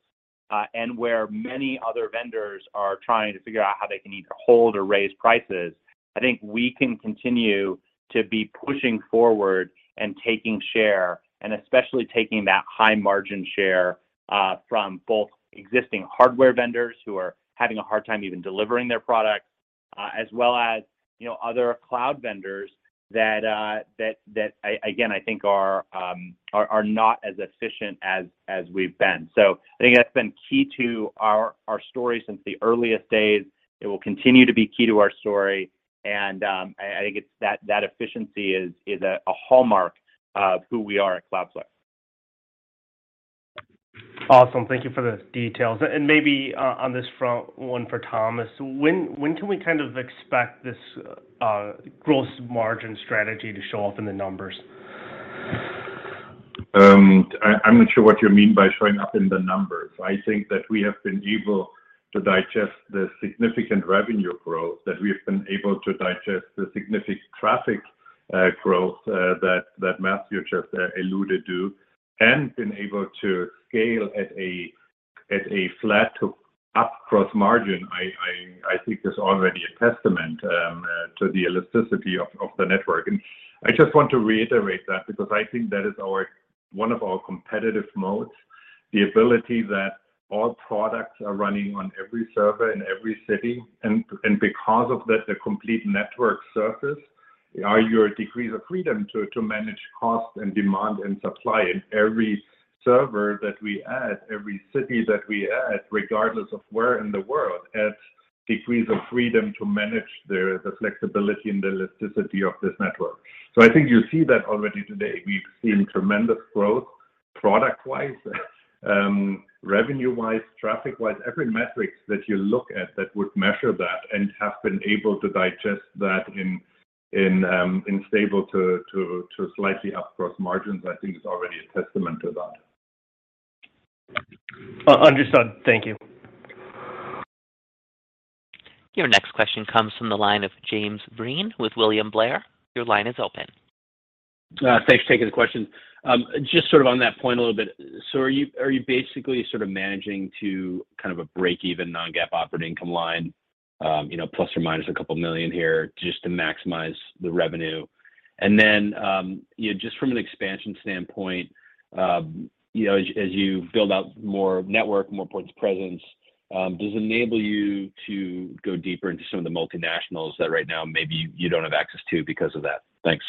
and where many other vendors are trying to figure out how they can either hold or raise prices, I think we can continue to be pushing forward and taking share, and especially taking that high margin share, from both existing hardware vendors who are having a hard time even delivering their product, as well as, you know, other cloud vendors that, again, I think are not as efficient as we've been. I think that's been key to our story since the earliest days. It will continue to be key to our story, and I think it's that efficiency is a hallmark of who we are at Cloudflare. Awesome. Thank you for the details. Maybe, on this front, one for Thomas. When can we kind of expect this gross margin strategy to show up in the numbers? I'm not sure what you mean by showing up in the numbers. I think that we have been able to digest the significant revenue growth, that we've been able to digest the significant traffic growth, that Matthew just alluded to, and been able to scale at a flat to up gross margin. I think that's already a testament to the elasticity of the network. I just want to reiterate that because I think that is our. One of our competitive moats, the ability that all products are running on every server in every city and because of that, the complete network surface are your degrees of freedom to manage cost and demand and supply in every server that we add, every city that we add, regardless of where in the world, adds degrees of freedom to manage the flexibility and the elasticity of this network. I think you see that already today. We've seen tremendous growth product-wise, revenue-wise, traffic-wise. Every metric that you look at that would measure that and have been able to digest that in stable to slightly up gross margins, I think is already a testament to that. Understood. Thank you. Your next question comes from the line of James Breen with William Blair. Your line is open. Thanks for taking the question. Just sort of on that point a little bit, so are you basically sort of managing to kind of a break-even non-GAAP operating income line, you know, ± $2 million here just to maximize the revenue? Just from an expansion standpoint, you know, as you build out more network, more points of presence, does it enable you to go deeper into some of the multinationals that right now maybe you don't have access to because of that? Thanks.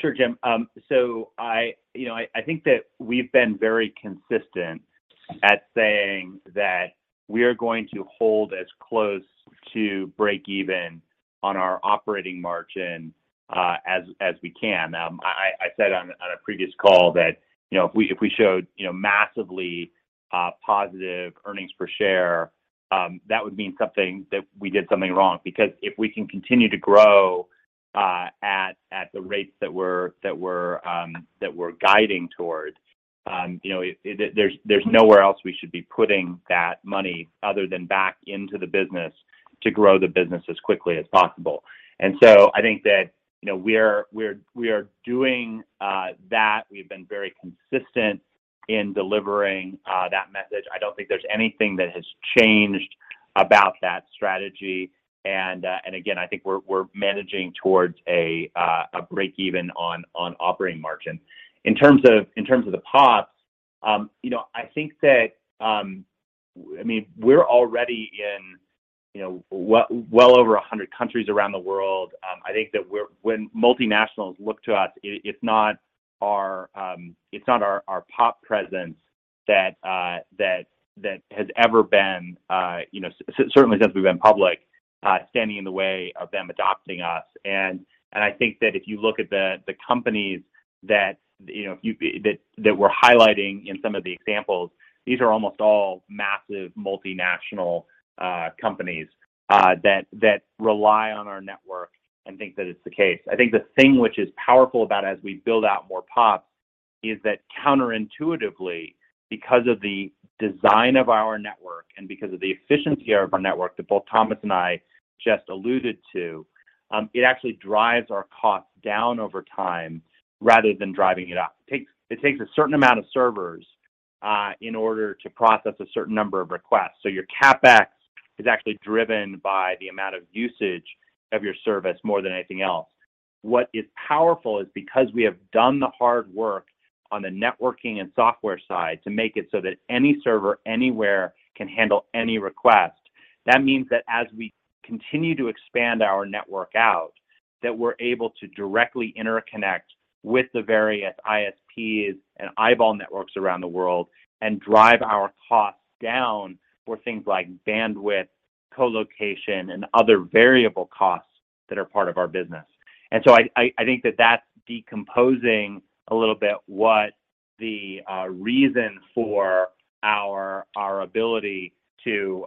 Sure, Jim. So I think that we've been very consistent at saying that we are going to hold as close to break even on our operating margin as we can. I said on a previous call that, you know, if we showed, you know, massively positive earnings per share, that would mean something, that we did something wrong. Because if we can continue to grow at the rates that we're guiding towards, you know, there's nowhere else we should be putting that money other than back into the business to grow the business as quickly as possible. I think that, you know, we are doing that. We've been very consistent in delivering that message. I don't think there's anything that has changed about that strategy. Again, I think we're managing towards a breakeven on operating margin. In terms of the POPs, you know, I think that, I mean, we're already in, you know, well over 100 countries around the world. I think that when multinationals look to us, it's not our POP presence that has ever been, you know, certainly since we've been public, standing in the way of them adopting us. I think that if you look at the companies that, you know, that we're highlighting in some of the examples, these are almost all massive multinational companies that rely on our network and think that it's the case. I think the thing which is powerful about as we build out more POPs is that counterintuitively, because of the design of our network and because of the efficiency of our network that both Thomas and I just alluded to, it actually drives our costs down over time rather than driving it up. It takes a certain amount of servers in order to process a certain number of requests. So your CapEx is actually driven by the amount of usage of your service more than anything else. What is powerful is because we have done the hard work on the networking and software side to make it so that any server anywhere can handle any request. That means that as we continue to expand our network out, that we're able to directly interconnect with the various ISPs and eyeball networks around the world and drive our costs down for things like bandwidth, co-location, and other variable costs that are part of our business. I think that that's decomposing a little bit what the reason for our ability to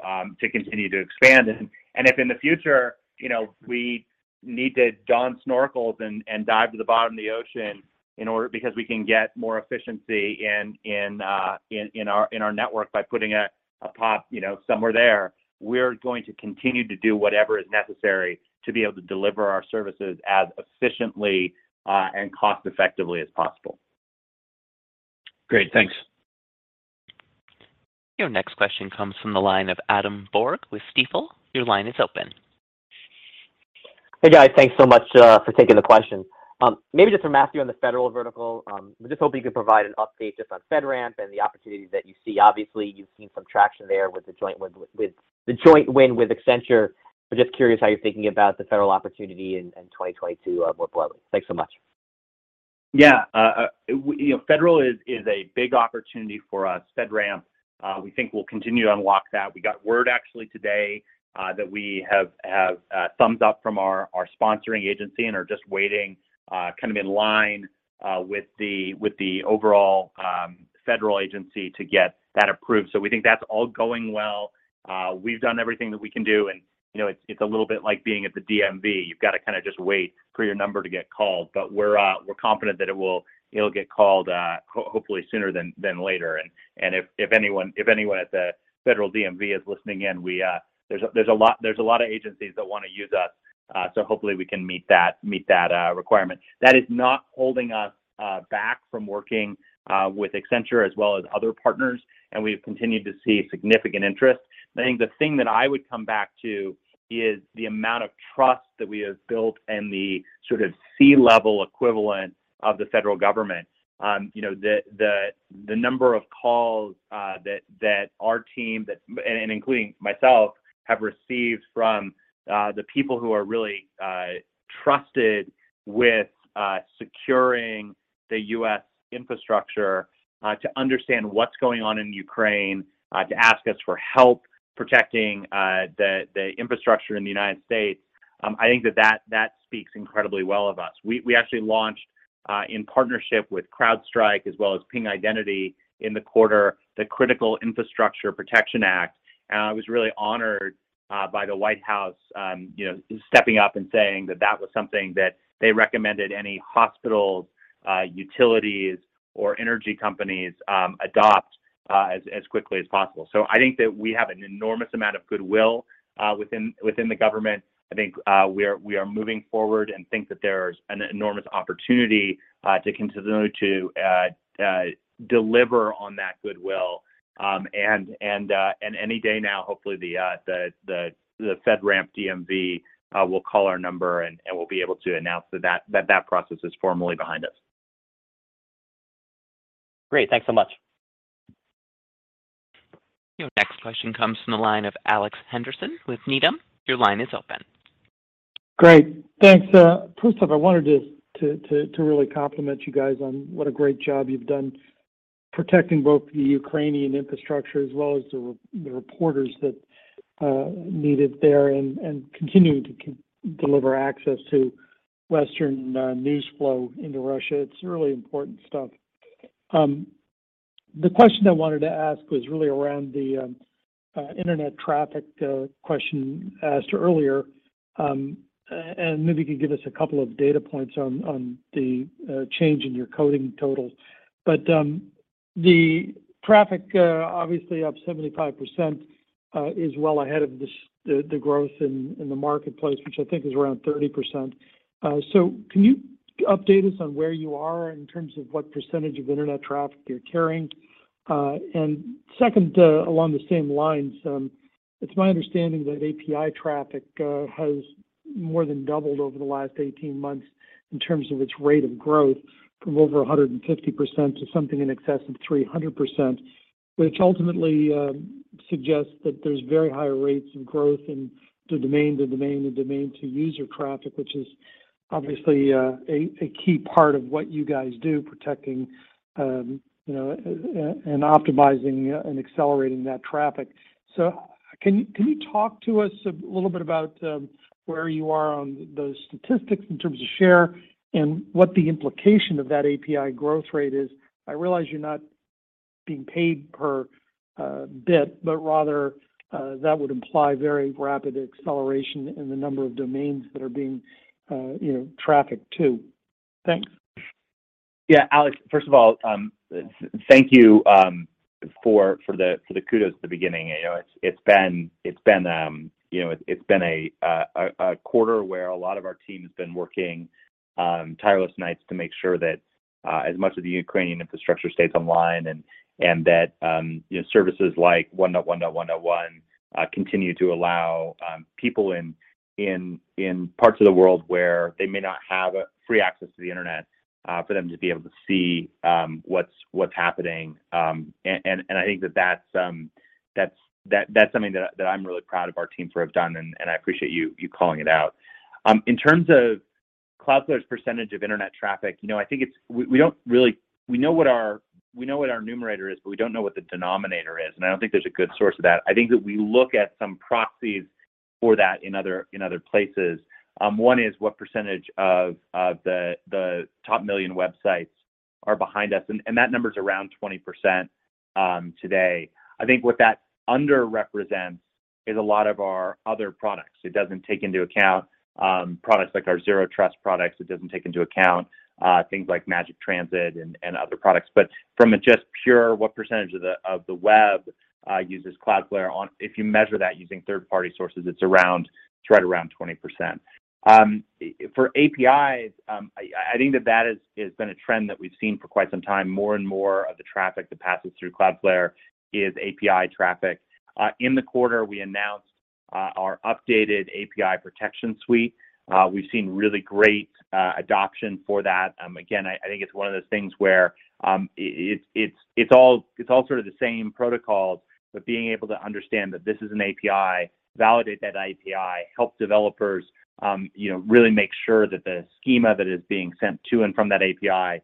continue to expand. If in the future, you know, we need to don snorkels and dive to the bottom of the ocean because we can get more efficiency in our network by putting a POP, you know, somewhere there, we're going to continue to do whatever is necessary to be able to deliver our services as efficiently and cost-effectively as possible. Great. Thanks. Your next question comes from the line of Adam Borg with Stifel. Your line is open. Hey, guys. Thanks so much for taking the question. Maybe just for Matthew on the federal vertical. I'm just hoping you could provide an update just on FedRAMP and the opportunities that you see. Obviously, you've seen some traction there with the joint win with Accenture. Just curious how you're thinking about the federal opportunity in 2022 more broadly? Thanks so much. Yeah. You know, federal is a big opportunity for us. FedRAMP we think will continue to unlock that. We got word actually today that we have thumbs up from our sponsoring agency and are just waiting kind of in line with the overall federal agency to get that approved. So we think that's all going well. We've done everything that we can do and, you know, it's a little bit like being at the DMV. You've got to kind of just wait for your number to get called. We're confident that it'll get called hopefully sooner than later. If anyone at the federal DMV is listening in, there's a lot of agencies that wanna use us, so hopefully we can meet that requirement. That is not holding us back from working with Accenture as well as other partners, and we've continued to see significant interest. I think the thing that I would come back to is the amount of trust that we have built and the sort of C-level equivalent of the federal government. You know, the number of calls that our team, and including myself, have received from the people who are really trusted with securing the U.S. infrastructure to understand what's going on in Ukraine to ask us for help protecting the infrastructure in the United States. I think that speaks incredibly well of us. We actually launched in partnership with CrowdStrike as well as Ping Identity in the quarter, the Critical Infrastructure Defense Project. I was really honored by the White House you know stepping up and saying that that was something that they recommended any hospitals, utilities, or energy companies adopt as quickly as possible. I think that we have an enormous amount of goodwill within the government. I think we are moving forward and think that there's an enormous opportunity to continue to deliver on that goodwill. Any day now, hopefully the FedRAMP DMV will call our number and we'll be able to announce that process is formally behind us. Great. Thanks so much. Your next question comes from the line of Alex Henderson with Needham. Your line is open. Great. Thanks. First off, I wanted to really compliment you guys on what a great job you've done protecting both the Ukrainian infrastructure as well as the reporters that needed there and continuing to deliver access to Western news flow into Russia. It's really important stuff. The question I wanted to ask was really around the internet traffic question asked earlier, and maybe you could give us a couple of data points on the change in your customer totals. The traffic, obviously up 75%, is well ahead of the growth in the marketplace, which I think is around 30%. Can you update us on where you are in terms of what percentage of internet traffic you're carrying? Second, along the same lines, it's my understanding that API traffic has more than doubled over the last 18 months in terms of its rate of growth from over 150% to something in excess of 300%, which ultimately suggests that there's very high rates of growth in the domain to user traffic, which is obviously a key part of what you guys do, protecting, you know, and optimizing and accelerating that traffic. Can you talk to us a little bit about where you are on those statistics in terms of share and what the implication of that API growth rate is? I realize you're not being paid per bit, but rather, that would imply very rapid acceleration in the number of domains that are being, you know, trafficked to. Thanks. Yeah. Alex, first of all, thank you for the kudos at the beginning. You know, it's been a quarter where a lot of our team has been working tireless nights to make sure that as much of the Ukrainian infrastructure stays online and that you know, services like 1.1.1.1 continue to allow people in parts of the world where they may not have free access to the Internet for them to be able to see what's happening. I think that that's something that I'm really proud of our team for have done, and I appreciate you calling it out. In terms of Cloudflare's percentage of internet traffic, you know, I think it's. We know what our numerator is, but we don't know what the denominator is, and I don't think there's a good source of that. I think that we look at some proxies for that in other places. One is what percentage of the top million websites are behind us, and that number is around 20% today. I think what that underrepresents is a lot of our other products. It doesn't take into account products like our Zero Trust products. It doesn't take into account things like Magic Transit and other products. From a just pure what percentage of the web uses Cloudflare on. If you measure that using third-party sources, it's right around 20%. For APIs, I think that has been a trend that we've seen for quite some time. More and more of the traffic that passes through Cloudflare is API traffic. In the quarter, we announced our updated API protection suite. We've seen really great adoption for that. Again, I think it's one of those things where it's all sort of the same protocols, but being able to understand that this is an API, validate that API, help developers, you know, really make sure that the schema that is being sent to and from that API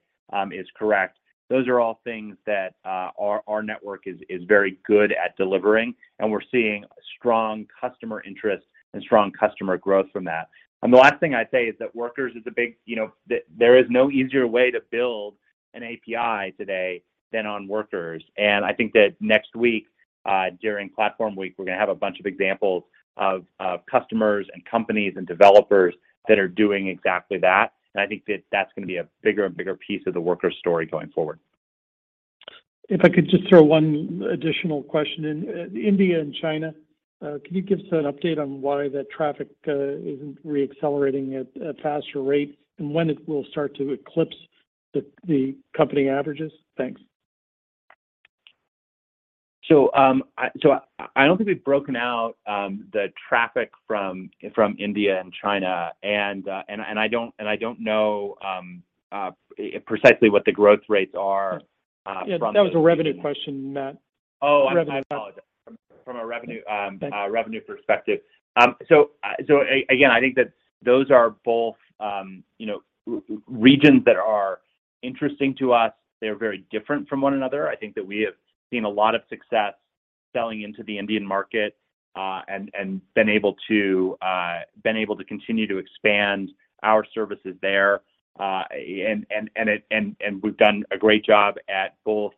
is correct. Those are all things that our network is very good at delivering, and we're seeing strong customer interest and strong customer growth from that. The last thing I'd say is that Workers is a big, you know that there is no easier way to build an API today than on Workers. I think that next week, during Platform Week, we're gonna have a bunch of examples of customers and companies and developers that are doing exactly that. I think that that's gonna be a bigger and bigger piece of the Workers story going forward. If I could just throw one additional question in. India and China, can you give us an update on why that traffic isn't re-accelerating at a faster rate, and when it will start to eclipse the company averages? Thanks. I don't think we've broken out the traffic from India and China, and I don't know precisely what the growth rates are from. Yeah. That was a revenue question, not. Oh, I apologize. Revenue. From a revenue perspective. I think that those are both, you know, regions that are interesting to us. They're very different from one another. I think that we have seen a lot of success selling into the Indian market, and we've done a great job at both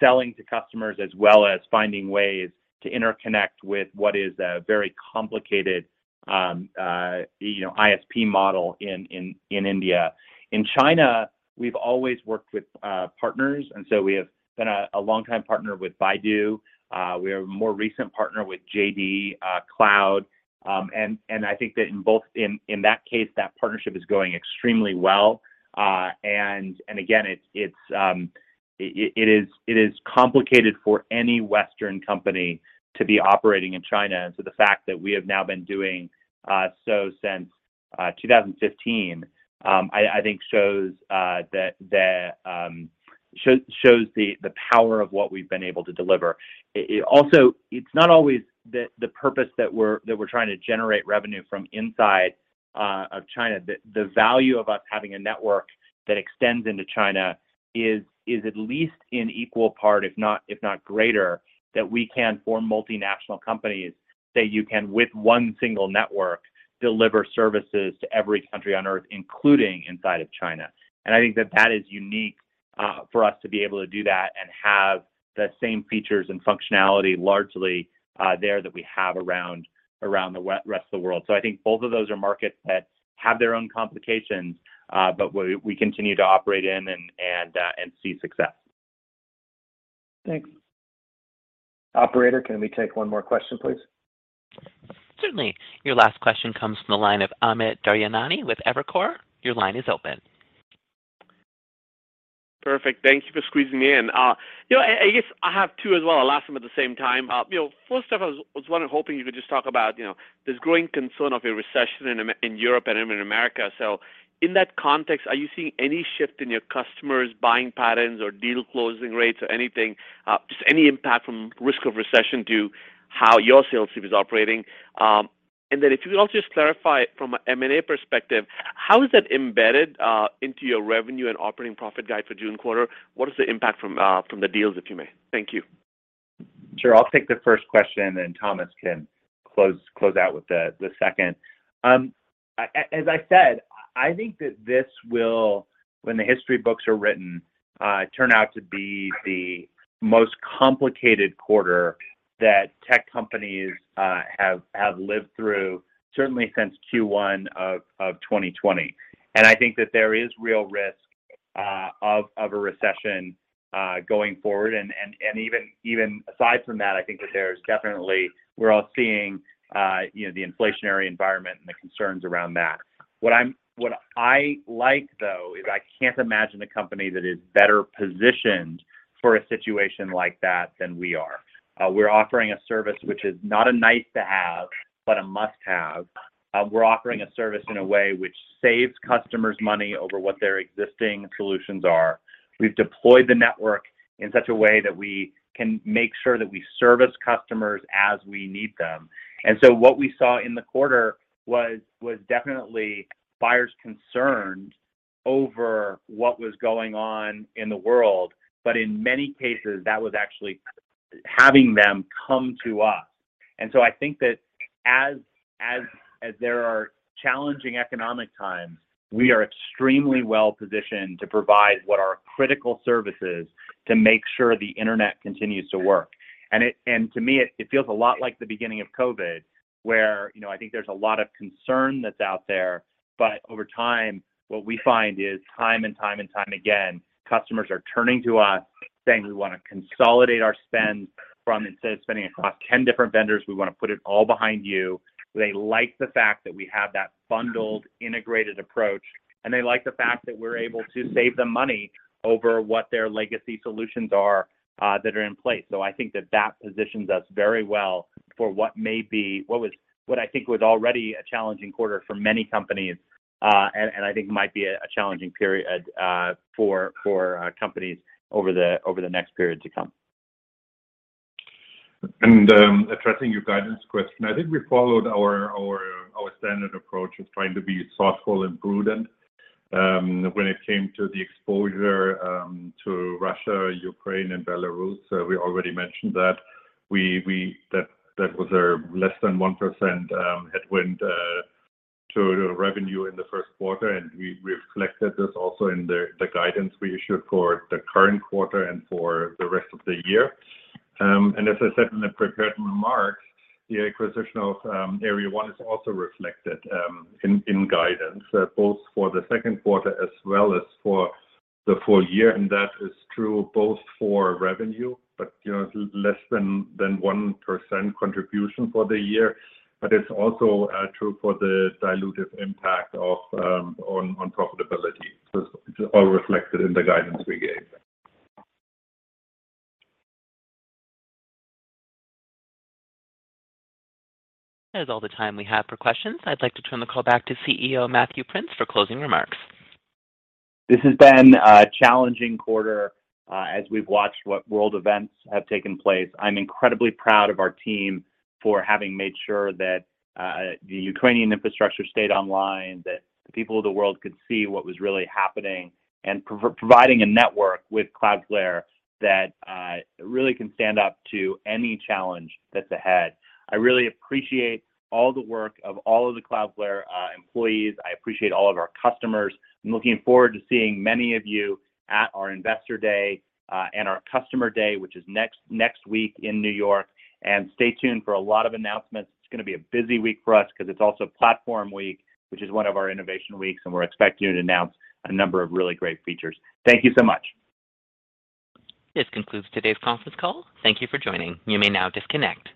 selling to customers as well as finding ways to interconnect with what is a very complicated, you know, ISP model in India. In China, we've always worked with partners, and so we have been a longtime partner with Baidu. We are a more recent partner with JD Cloud. I think that in both. In that case, that partnership is going extremely well. Again, it is complicated for any Western company to be operating in China. The fact that we have now been doing so since 2015, I think, shows the power of what we've been able to deliver. It also is not always the purpose that we're trying to generate revenue from inside of China. The value of us having a network that extends into China is at least in equal part, if not greater, that we can serve multinational companies that you can, with one single network, deliver services to every country on Earth, including inside of China. I think that is unique for us to be able to do that and have the same features and functionality largely there that we have around the rest of the world. I think both of those are markets that have their own complications, but we continue to operate in and see success. Thanks. Operator, can we take one more question, please? Certainly. Your last question comes from the line of Amit Daryanani with Evercore. Your line is open. Perfect. Thank you for squeezing me in. You know, I guess I have two as well. I'll ask them at the same time. You know, first off, I was wondering, hoping you could just talk about, you know, this growing concern of a recession in Europe and in America. In that context, are you seeing any shift in your customers' buying patterns or deal closing rates or anything, just any impact from risk of recession to how your sales team is operating? If you could also just clarify from an M&A perspective, how is that embedded into your revenue and operating profit guide for June quarter? What is the impact from the deals, if you may? Thank you. Sure. I'll take the first question, and then Thomas can close out with the second. As I said, I think that this will, when the history books are written, turn out to be the most complicated quarter that tech companies have lived through certainly since Q1 of 2020. I think that there is real risk of a recession going forward. Even aside from that, I think that there's definitely, we're all seeing, you know, the inflationary environment and the concerns around that. What I like though is I can't imagine a company that is better positioned for a situation like that than we are. We're offering a service which is not a nice to have, but a must-have. We're offering a service in a way which saves customers money over what their existing solutions are. We've deployed the network in such a way that we can make sure that we service customers as we need them. What we saw in the quarter was definitely buyers concerned over what was going on in the world, but in many cases, that was actually having them come to us. I think that as there are challenging economic times, we are extremely well positioned to provide what are critical services to make sure the internet continues to work. To me, it feels a lot like the beginning of COVID-19, where, you know, I think there's a lot of concern that's out there, but over time, what we find is time and time again, customers are turning to us saying, "We wanna consolidate our spend from instead of spending across 10 different vendors, we wanna put it all behind you." They like the fact that we have that bundled, integrated approach, and they like the fact that we're able to save them money over what their legacy solutions are that are in place. I think that positions us very well for what may be. What I think was already a challenging quarter for many companies, and I think might be a challenging period for companies over the next period to come. Addressing your guidance question, I think we followed our standard approach of trying to be thoughtful and prudent, when it came to the exposure to Russia, Ukraine, and Belarus. We already mentioned that that was a less than 1% headwind to revenue in the first quarter, and we've reflected this also in the guidance we issued for the current quarter and for the rest of the year. As I said in the prepared remarks, the acquisition of Area 1 is also reflected in guidance, both for the second quarter as well as for the full year, and that is true both for revenue, you know, less than 1% contribution for the year. But it's also true for the dilutive impact on profitability. It's all reflected in the guidance we gave. That is all the time we have for questions. I'd like to turn the call back to CEO Matthew Prince for closing remarks. This has been a challenging quarter, as we've watched what world events have taken place. I'm incredibly proud of our team for having made sure that the Ukrainian infrastructure stayed online, that the people of the world could see what was really happening and providing a network with Cloudflare that really can stand up to any challenge that's ahead. I really appreciate all the work of all of the Cloudflare employees. I appreciate all of our customers. I'm looking forward to seeing many of you at our Investor Day and our Customer Day, which is next week in New York. Stay tuned for a lot of announcements. It's gonna be a busy week for us 'cause it's also Platform Week, which is one of our innovation weeks, and we're expecting to announce a number of really great features. Thank you so much. This concludes today's conference call. Thank you for joining. You may now disconnect.